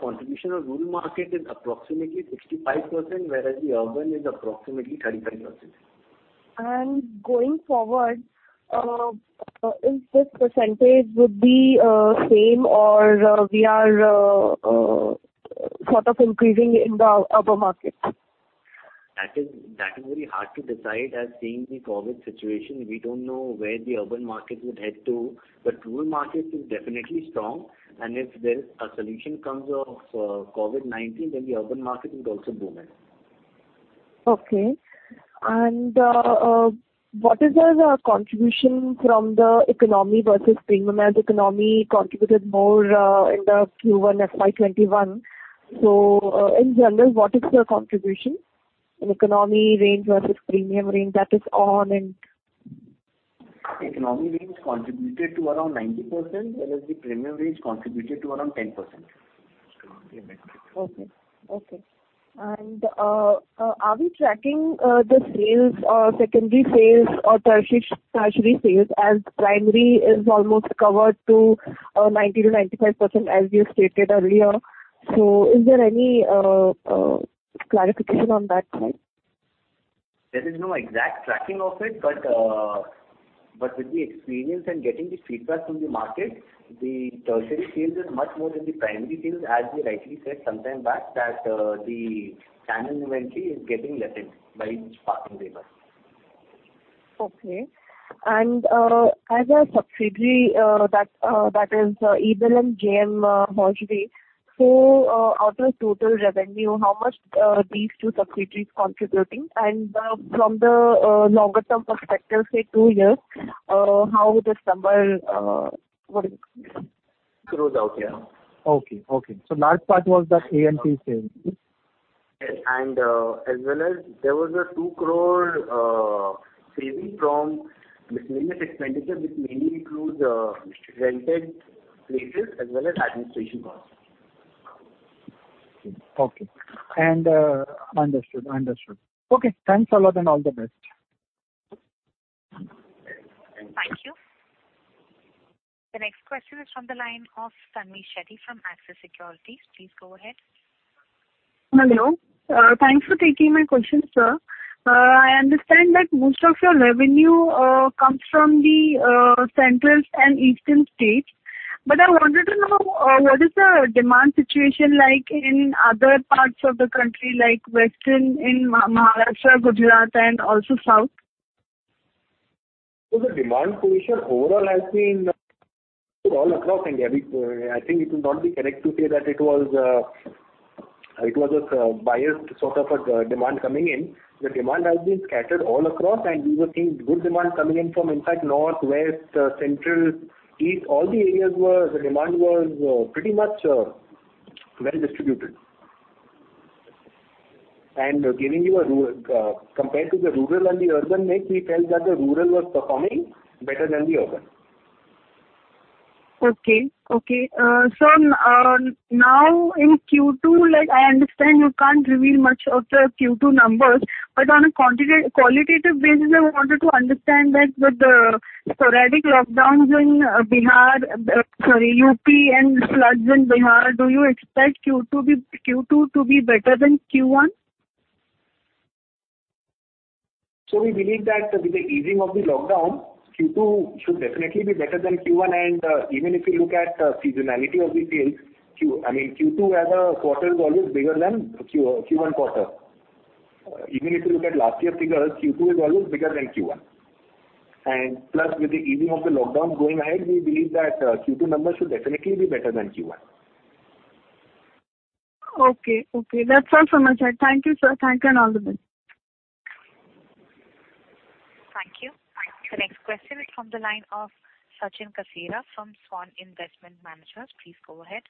contribution of rural market is approximately 65%, whereas the urban is approximately 35%. And going forward, is this percentage would be same or we are sort of increasing in the urban market? That is, that is very hard to decide as seeing the COVID situation, we don't know where the urban market would head to, but rural market is definitely strong. And if there's a solution comes of COVID-19, then the urban market will also boom in. Okay. And what is the contribution from the economy versus premium? As economy contributed more in the Q1 FY 2021. So in general, what is your contribution in economy range versus premium range that is on end? Economy range contributed to around 90%, whereas the premium range contributed to around 10%. Okay, okay. And are we tracking the sales, secondary sales or tertiary sales, as primary is almost covered to 90%-95%, as you stated earlier? So is there any clarification on that front? There is no exact tracking of it, but, but with the experience and getting the feedback from the market, the tertiary sales is much more than the primary sales, as we rightly said sometime back, that, the channel inventory is getting lessened by each passing day. Okay. And, as a subsidiary, that is Ebell and J.M. Hosiery. So, out of total revenue, how much these two subsidiaries contributing? And, from the longer term perspective, say two years, how this number, what- Closes out, yeah. Okay, okay. So large part was the A&P sales. As well as there was a two crore saving from miscellaneous expenditure, which mainly includes rented places as well as administration costs. Okay, and understood. Understood. Okay, thanks a lot and all the best. Thank you. The next question is from the line of Tanvi Shetty from Axis Securities. Please go ahead. Hello. Thanks for taking my question, sir. I understand that most of your revenue comes from the central and eastern states, but I wanted to know what is the demand situation like in other parts of the country, like western, in Maharashtra, Gujarat, and also south? The demand position overall has been all across India. I think it will not be correct to say that it was a biased sort of a demand coming in. The demand has been scattered all across, and we were seeing good demand coming in from, in fact, north, west, central, east. All the areas were, the demand was, pretty much well distributed. Compared to the rural and the urban mix, we felt that the rural was performing better than the urban. Okay, okay. So, now in Q2, like I understand, you can't reveal much of the Q2 numbers, but on a qualitative basis, I wanted to understand that with the sporadic lockdowns in Bihar, sorry, UP and floods in Bihar, do you expect Q2 to be better than Q1? So we believe that with the easing of the lockdown, Q2 should definitely be better than Q1. And even if you look at the seasonality of the sales, I mean, Q2 as a quarter is always bigger than Q1 quarter. Even if you look at last year's figures, Q2 is always bigger than Q1. And plus, with the easing of the lockdown going ahead, we believe that Q2 numbers should definitely be better than Q1. Okay, okay. That's all from my side. Thank you, sir. Thank you, and all the best. Thank you. The next question is from the line of Sachin Kasera from Swan Investment Managers. Please go ahead.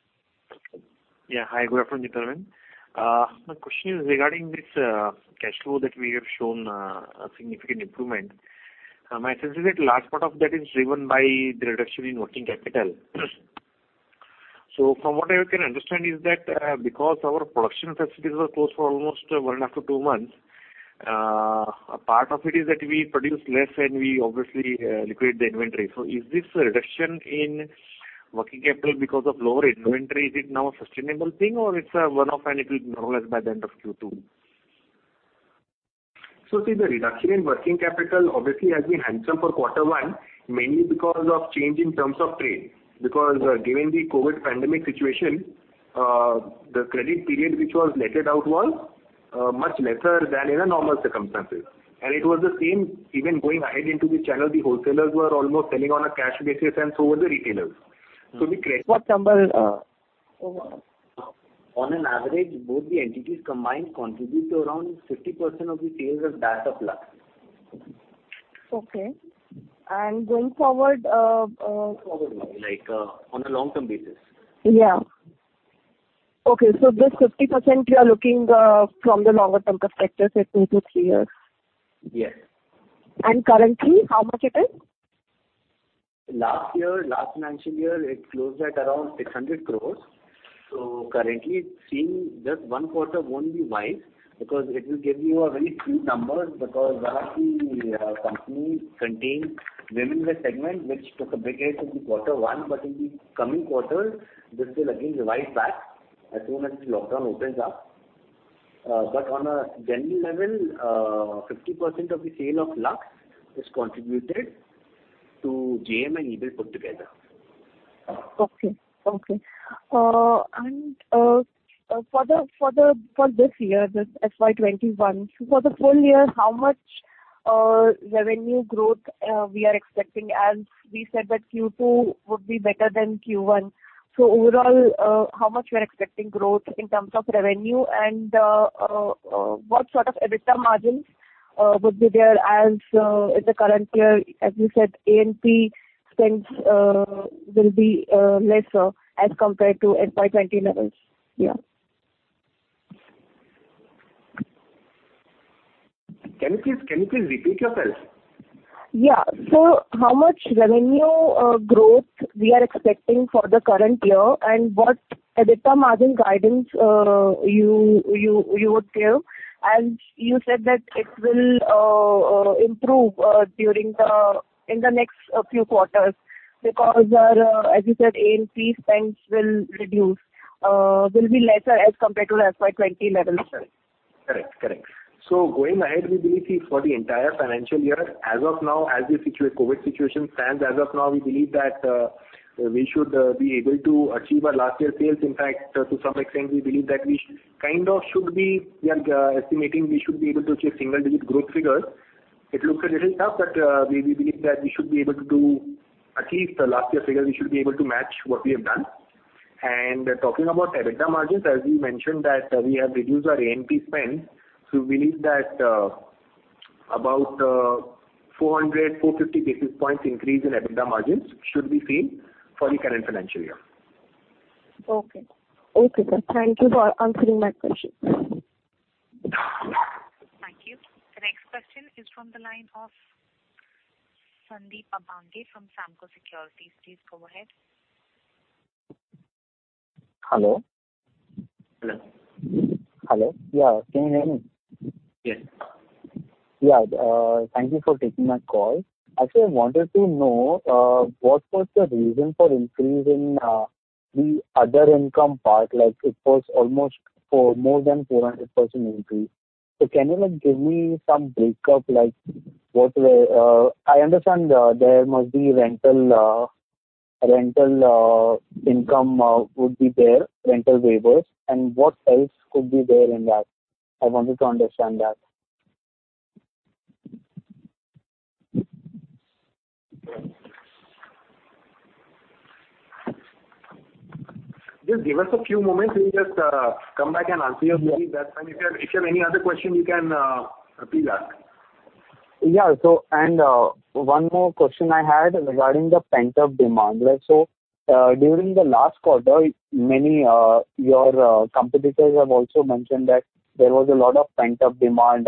Yeah. Hi, good afternoon, Gentlemen. My question is regarding this cash flow that we have shown, a significant improvement. My sense is that large part of that is driven by the reduction in working capital. So from what I can understand is that because our production facilities were closed for almost one after two months, a part of it is that we produce less and we obviously liquidate the inventory. So is this reduction in working capital because of lower inventory, is it now a sustainable thing, or it's a one-off and it will normalize by the end of Q2? So, see, the reduction in working capital obviously has been handsome for quarter one, mainly because of change in terms of trade. Because, given the COVID pandemic situation, the credit period, which was netted out, was much lesser than in a normal circumstances. And it was the same even going ahead into the channel. The wholesalers were almost selling on a cash basis, and so were the retailers. So the credit- What number... ...On an average, both the entities combined contribute to around 50% of the sales of that of Lux. Okay. And going forward, Like, on a long-term basis. Yeah. Okay, so this 50% you are looking, from the longer term perspective, say, two to three years? Yes. Currently, how much it is? Last year, last financial year, it closed at around 600 crores. So currently, it seems just one quarter won't be wise, because it will give you a very few numbers, because one of the company contained women's wear segment, which took a big hit in the quarter one, but in the coming quarters, this will again rise back as soon as the lockdown opens up. But on a general level, 50% of the sale of Lux is contributed to JM and Ebell put together. Okay, okay. And for this year, this FY twenty-one, for the full year, how much revenue growth we are expecting? As we said that Q2 would be better than Q1. So overall, how much we are expecting growth in terms of revenue and what sort of EBITDA margins would be there as in the current year, as you said, A&P spends will be less as compared to FY twenty levels? Yeah. Can you please repeat yourself? Yeah. So how much revenue growth we are expecting for the current year, and what EBITDA margin guidance you would give? And you said that it will improve in the next few quarters, because as you said, A&P spends will reduce will be lesser as compared to FY 2020 levels. Correct, correct. So going ahead, we believe is for the entire financial year. As of now, as the COVID situation stands, as of now, we believe that we should be able to achieve our last year sales. In fact, to some extent, we believe that we kind of should be. We are estimating we should be able to achieve single digit growth figures. It looks a little tough, but we believe that we should be able to do at least the last year figure. We should be able to match what we have done. And talking about EBITDA margins, as we mentioned, that we have reduced our A&P spend. So we believe that about 400-450 basis points increase in EBITDA margins should be seen for the current financial year. Okay. Okay, sir. Thank you for answering my question. Thank you. The next question is from the line of Sandeep Abange from Samco Securities. Please go ahead. Hello? Hello. Hello, yeah, can you hear me? I wanted to understand that. Just give us a few moments. We'll just come back and answer your query. That's fine. If you have any other question, you can email that. Yeah. So, and, one more question I had regarding the pent-up demand. So, during the last quarter, many, your, competitors have also mentioned that there was a lot of pent-up demand,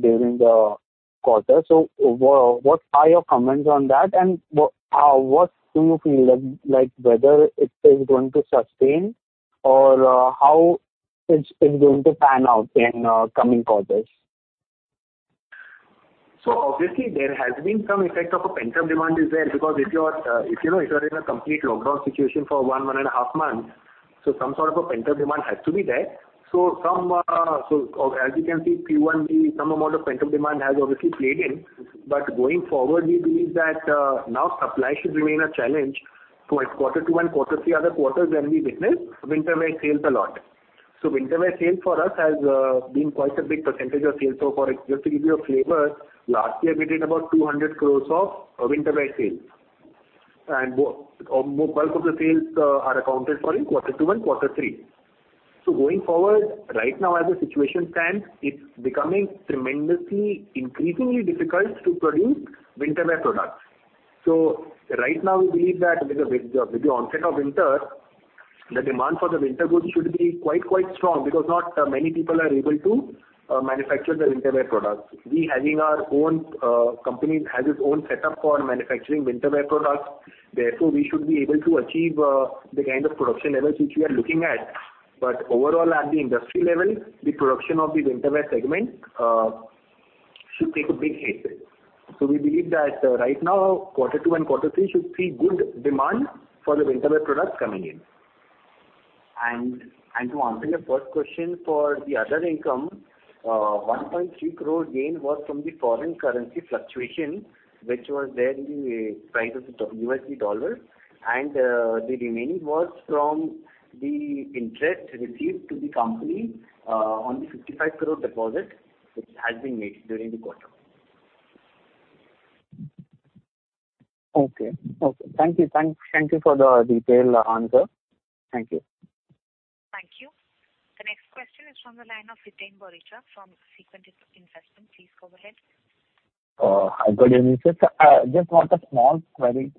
during the quarter. So what are your comments on that, and what do you feel like, whether it is going to sustain or, how it's going to pan out in, coming quarters? So obviously, there has been some effect of a pent-up demand is there, because if you are, you know, if you are in a complete lockdown situation for one and a half months, so some sort of a pent-up demand has to be there. So as you can see, Q1, some amount of pent-up demand has obviously played in. But going forward, we believe that now supply should remain a challenge. So quarter two and quarter three are the quarters when we witness winter wear sales a lot. So winter wear sale for us has been quite a big percentage of sales. So just to give you a flavor, last year we did about 200 crore of winter wear sales. And bulk of the sales are accounted for in quarter two and quarter three. So going forward, right now, as the situation stands, it's becoming tremendously, increasingly difficult to produce winter wear products. So right now, we believe that with the onset of winter, the demand for the winter goods should be quite, quite strong, because not many people are able to manufacture the winter wear products. We, having our own company, has its own setup for manufacturing winter wear products, therefore, we should be able to achieve the kind of production levels which we are looking at. But overall, at the industry level, the production of the winter wear segment should take a big hit. So we believe that right now, quarter two and quarter three should see good demand for the winter wear products coming in. To answer your first question, for the other income, 1.3 crore gain was from the foreign currency fluctuation, which was there in the price of the USD dollar, and the remaining was from the interest received to the company, on the 55 crore deposit, which has been made during the quarter. Okay, thank you. Thank you for the detailed answer. Thank you. Thank you. The next question is from the line of Hiten Boricha from Sequent Investments. Please go ahead. Hi, good evening, sir. Just want a small query,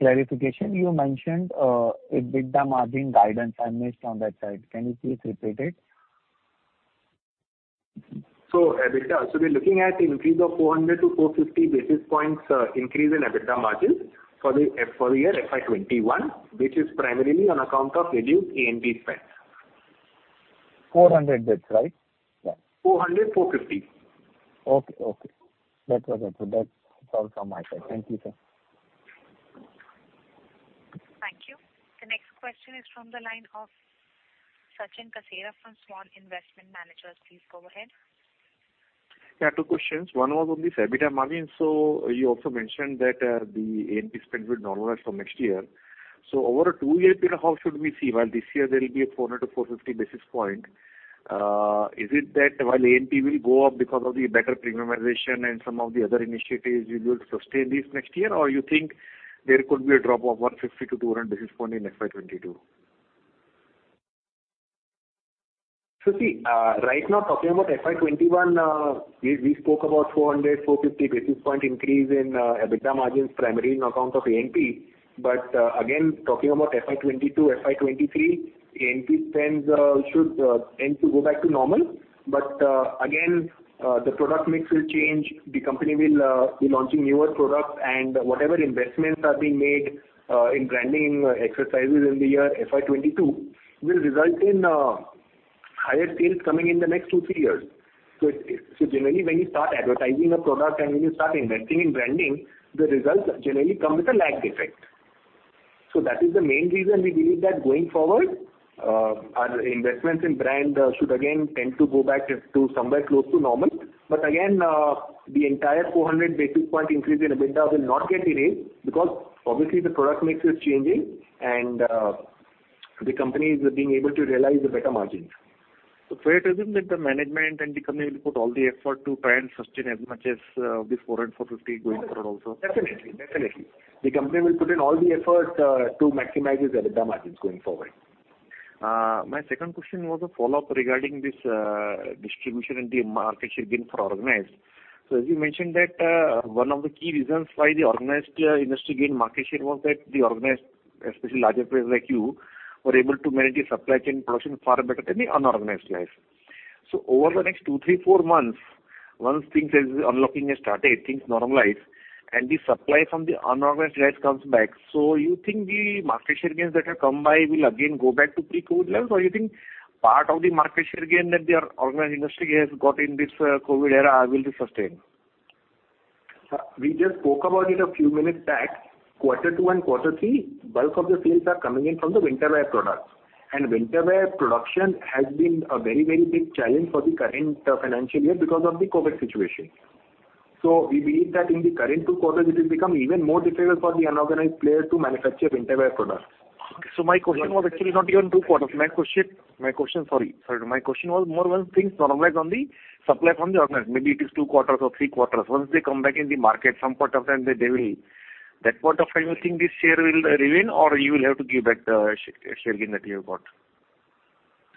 clarification. You mentioned EBITDA margin guidance I missed on that side. Can you please repeat it? EBITDA, so we're looking at an increase of 400-450 basis points, increase in EBITDA margins for the year FY 2021, which is primarily on account of reduced A&P spend. Four hundred basis points, right? Four hundred, four fifty. Okay, okay. That's okay. So that's all from my side. Thank you, sir. ...Next question is from the line of Sachin Kasera from Svan Investment Managers. Please go ahead. Yeah, two questions. One was on the EBITDA margin. So you also mentioned that the A&P spend will normalize for next year. So over a two-year period, how should we see? While this year there will be a 400-450 basis points, is it that while A&P will go up because of the better premiumization and some of the other initiatives, you will sustain this next year? Or you think there could be a drop of 150-200 basis points in FY 2022? So, see, right now, talking about FY 2021, we spoke about 400-450 basis points increase in EBITDA margins, primarily on account of A&P. But, again, talking about FY 2022, FY 2023, A&P spends should tend to go back to normal. But, again, the product mix will change. The company will be launching newer products, and whatever investments are being made in branding exercises in the year FY 2022, will result in higher sales coming in the next two, three years. So, generally, when you start advertising a product and when you start investing in branding, the results generally come with a lag effect. So that is the main reason we believe that going forward, our investments in brand should again tend to go back to somewhere close to normal. But again, the entire 400 basis point increase in EBITDA will not get erased, because obviously the product mix is changing and the company is being able to realize the better margins. So fair to assume that the management and the company will put all the effort to try and sustain as much as the four hundred, four fifty going forward also? Definitely, definitely. The company will put in all the effort to maximize its EBITDA margins going forward. My second question was a follow-up regarding this, distribution and the market share gain for organized. So as you mentioned that, one of the key reasons why the organized, industry gained market share was that the organized, especially larger players like you, were able to manage the supply chain production far better than the unorganized players. So over the next two, three, four months, once things are unlocking and started, things normalize, and the supply from the unorganized players comes back, so you think the market share gains that have come by will again go back to pre-COVID levels? Or you think part of the market share gain that the organized industry has got in this, COVID era, will be sustained? We just spoke about it a few minutes back. Quarter two and quarter three, bulk of the sales are coming in from the winter wear products. And winter wear production has been a very, very big challenge for the current, financial year because of the COVID situation. So we believe that in the current two quarters, it will become even more difficult for the unorganized player to manufacture winter wear products. My question was actually not even two quarters. My question, sorry. My question was more when things normalize on the supply from the organized. Maybe it is two quarters or three quarters. Once they come back in the market, some part of time, they will... That part of time, you think this share will remain, or you will have to give back the share gain that you have got?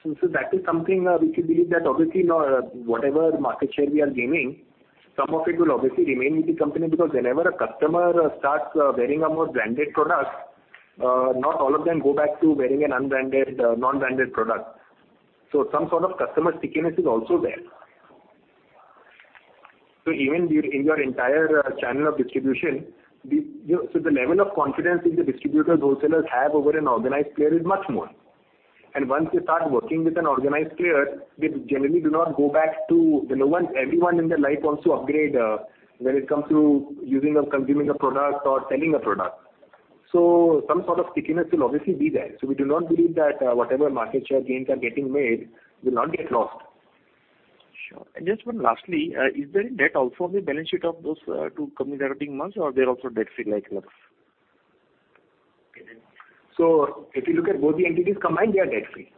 So that is something we should believe that obviously, no, whatever market share we are gaining, some of it will obviously remain with the company, because whenever a customer starts wearing a more branded product, not all of them go back to wearing an unbranded non-branded product. So some sort of customer stickiness is also there. Even in your entire channel of distribution, you know, the level of confidence that the distributors, wholesalers have over an organized player is much more. Once they start working with an organized player, they generally do not go back to the organized player. Everyone in their life wants to upgrade when it comes to using or consuming a product or selling a product. Some sort of stickiness will obviously be there. So we do not believe that, whatever market share gains are getting made, will not get lost. Sure. And just one lastly, is there any debt also on the balance sheet of those two companies that are being merged, or they're also debt-free like Lux? If you look at both the entities combined, they are debt-free.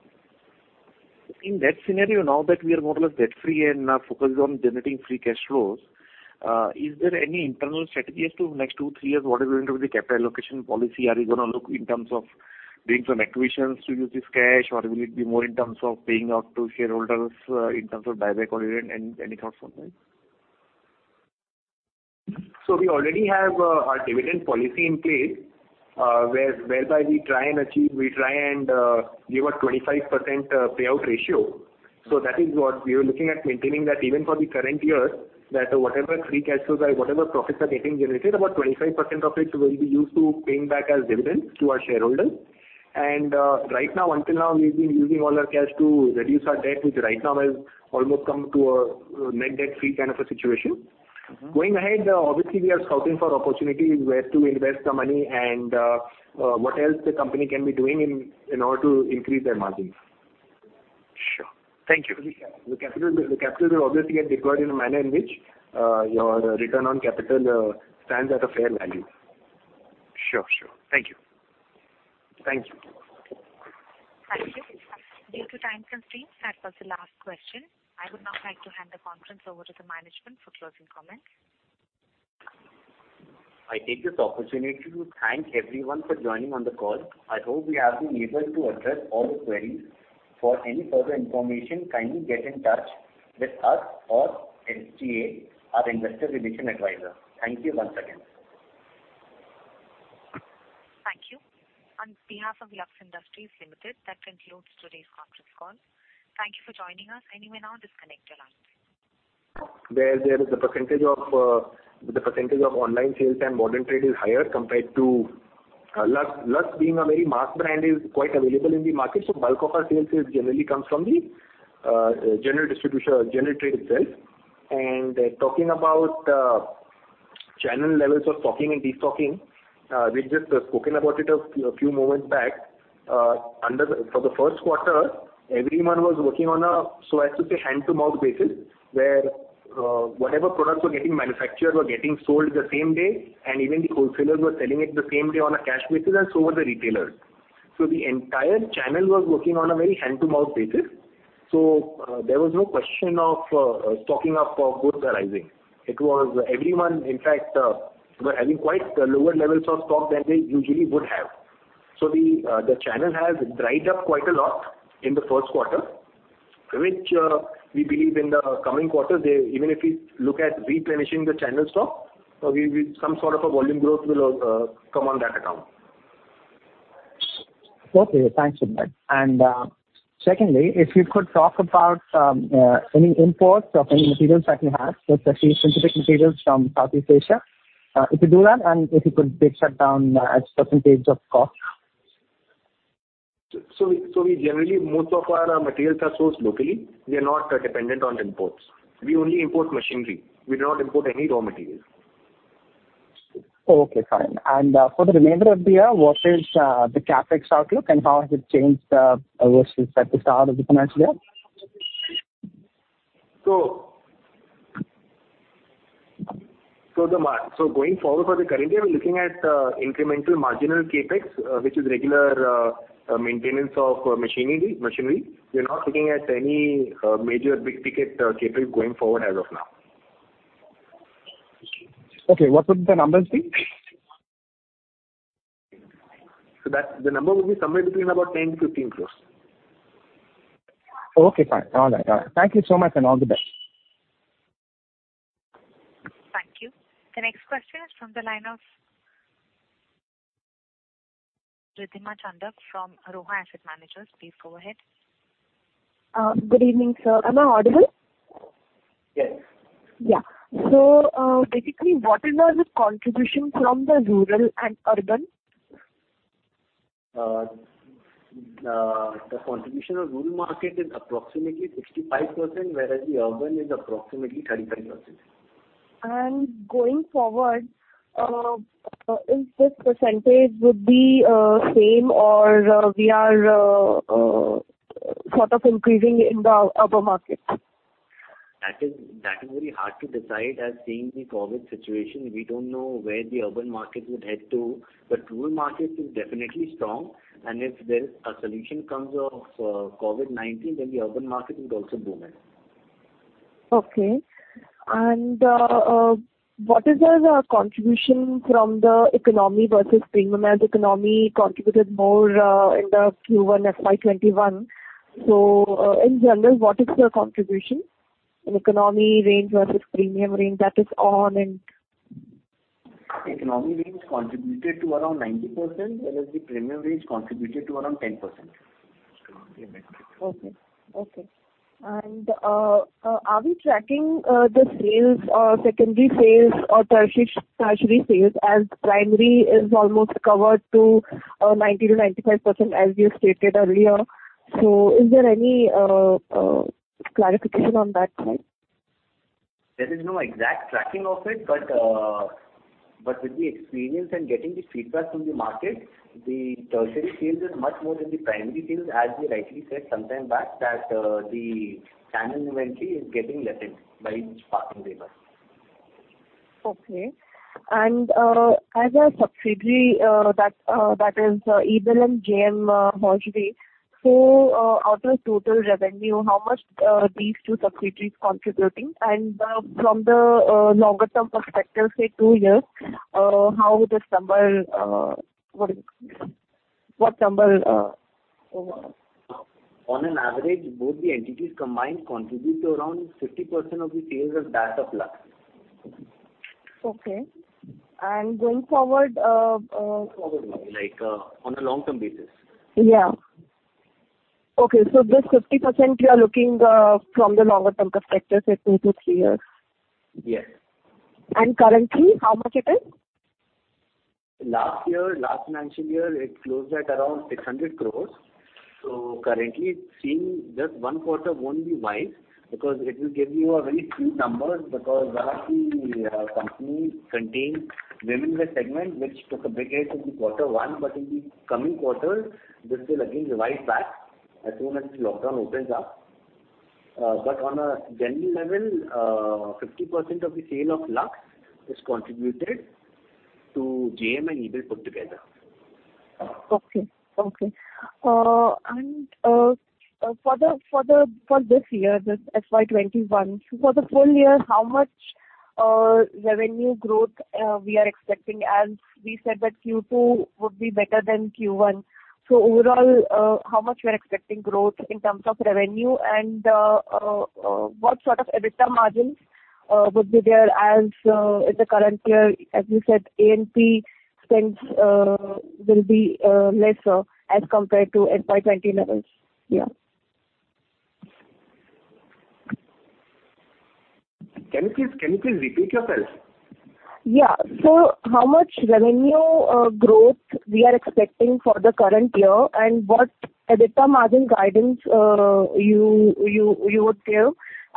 In that scenario, now that we are more or less debt-free and our focus is on generating free cash flows, is there any internal strategy as to next two, three years, what is going to be the capital allocation policy? Are you going to look in terms of doing some acquisitions to use this cash, or will it be more in terms of paying out to shareholders, in terms of buyback or dividend, any thoughts on that? We already have our dividend policy in place, whereby we try and achieve a 25% payout ratio. So that is what we are looking at maintaining that even for the current year, that whatever free cash flows or whatever profits are getting generated, about 25% of it will be used to paying back as dividends to our shareholders. And right now, until now, we've been using all our cash to reduce our debt, which right now has almost come to a net debt free kind of a situation. Going ahead, obviously, we are scouting for opportunities where to invest the money and what else the company can be doing in order to increase their margins. Sure. Thank you. The capital will obviously get deployed in a manner in which your return on capital stands at a fair value. Sure, sure. Thank you. Thank you. Thank you. Due to time constraints, that was the last question. I would now like to hand the conference over to the management for closing comments. I take this opportunity to thank everyone for joining on the call. I hope we have been able to address all the queries. For any further information, kindly get in touch with us or SGA, our investor relations advisor. Thank you once again. Thank you. On behalf of Lux Industries Limited, that concludes today's conference call. Thank you for joining us,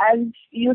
and you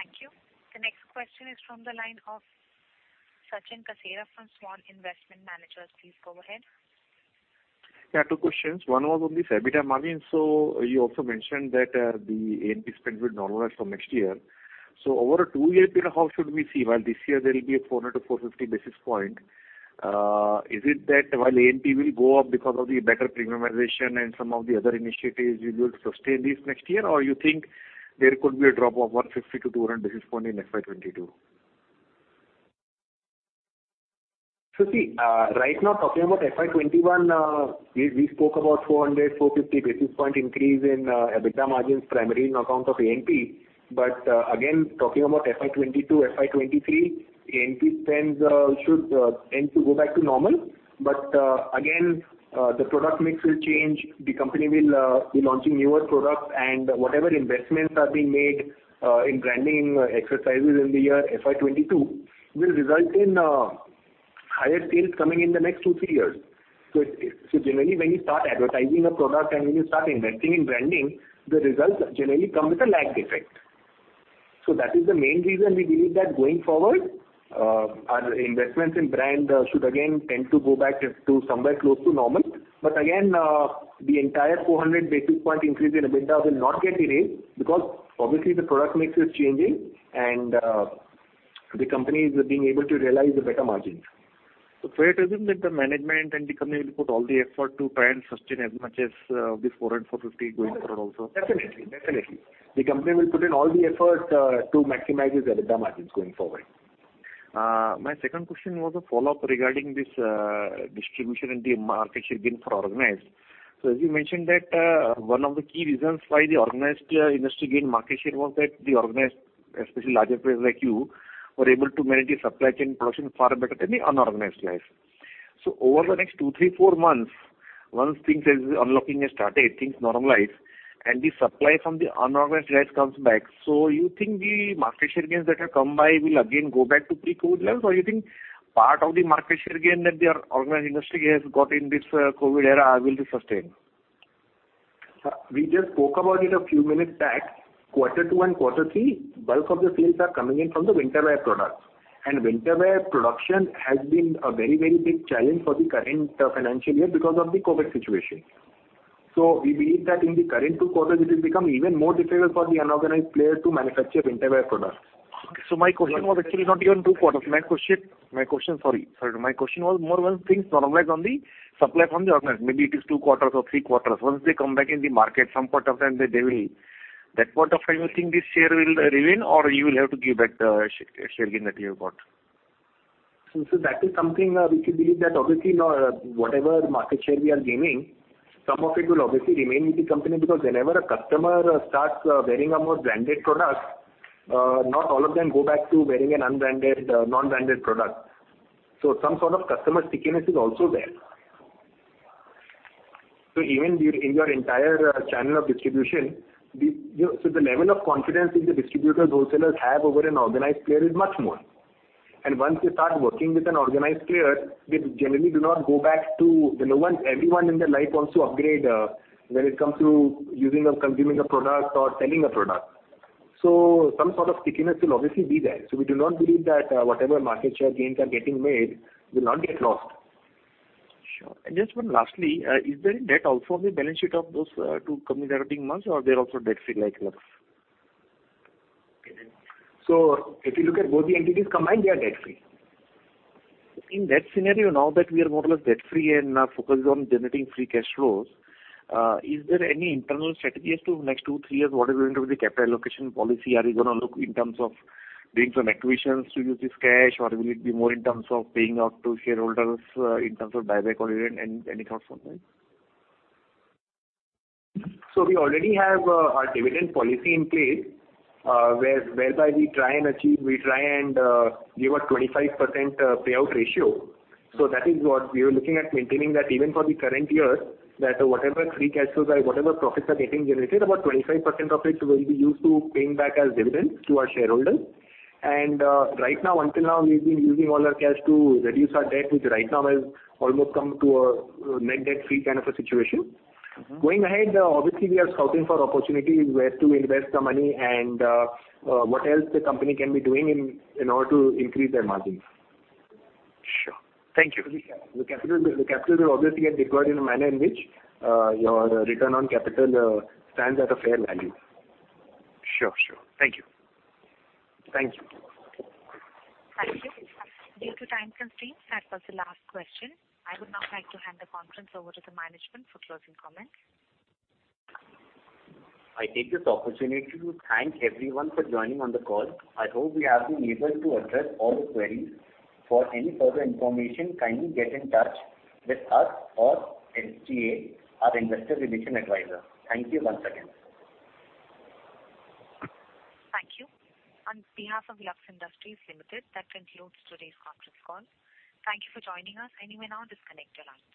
may now disconnect your lines.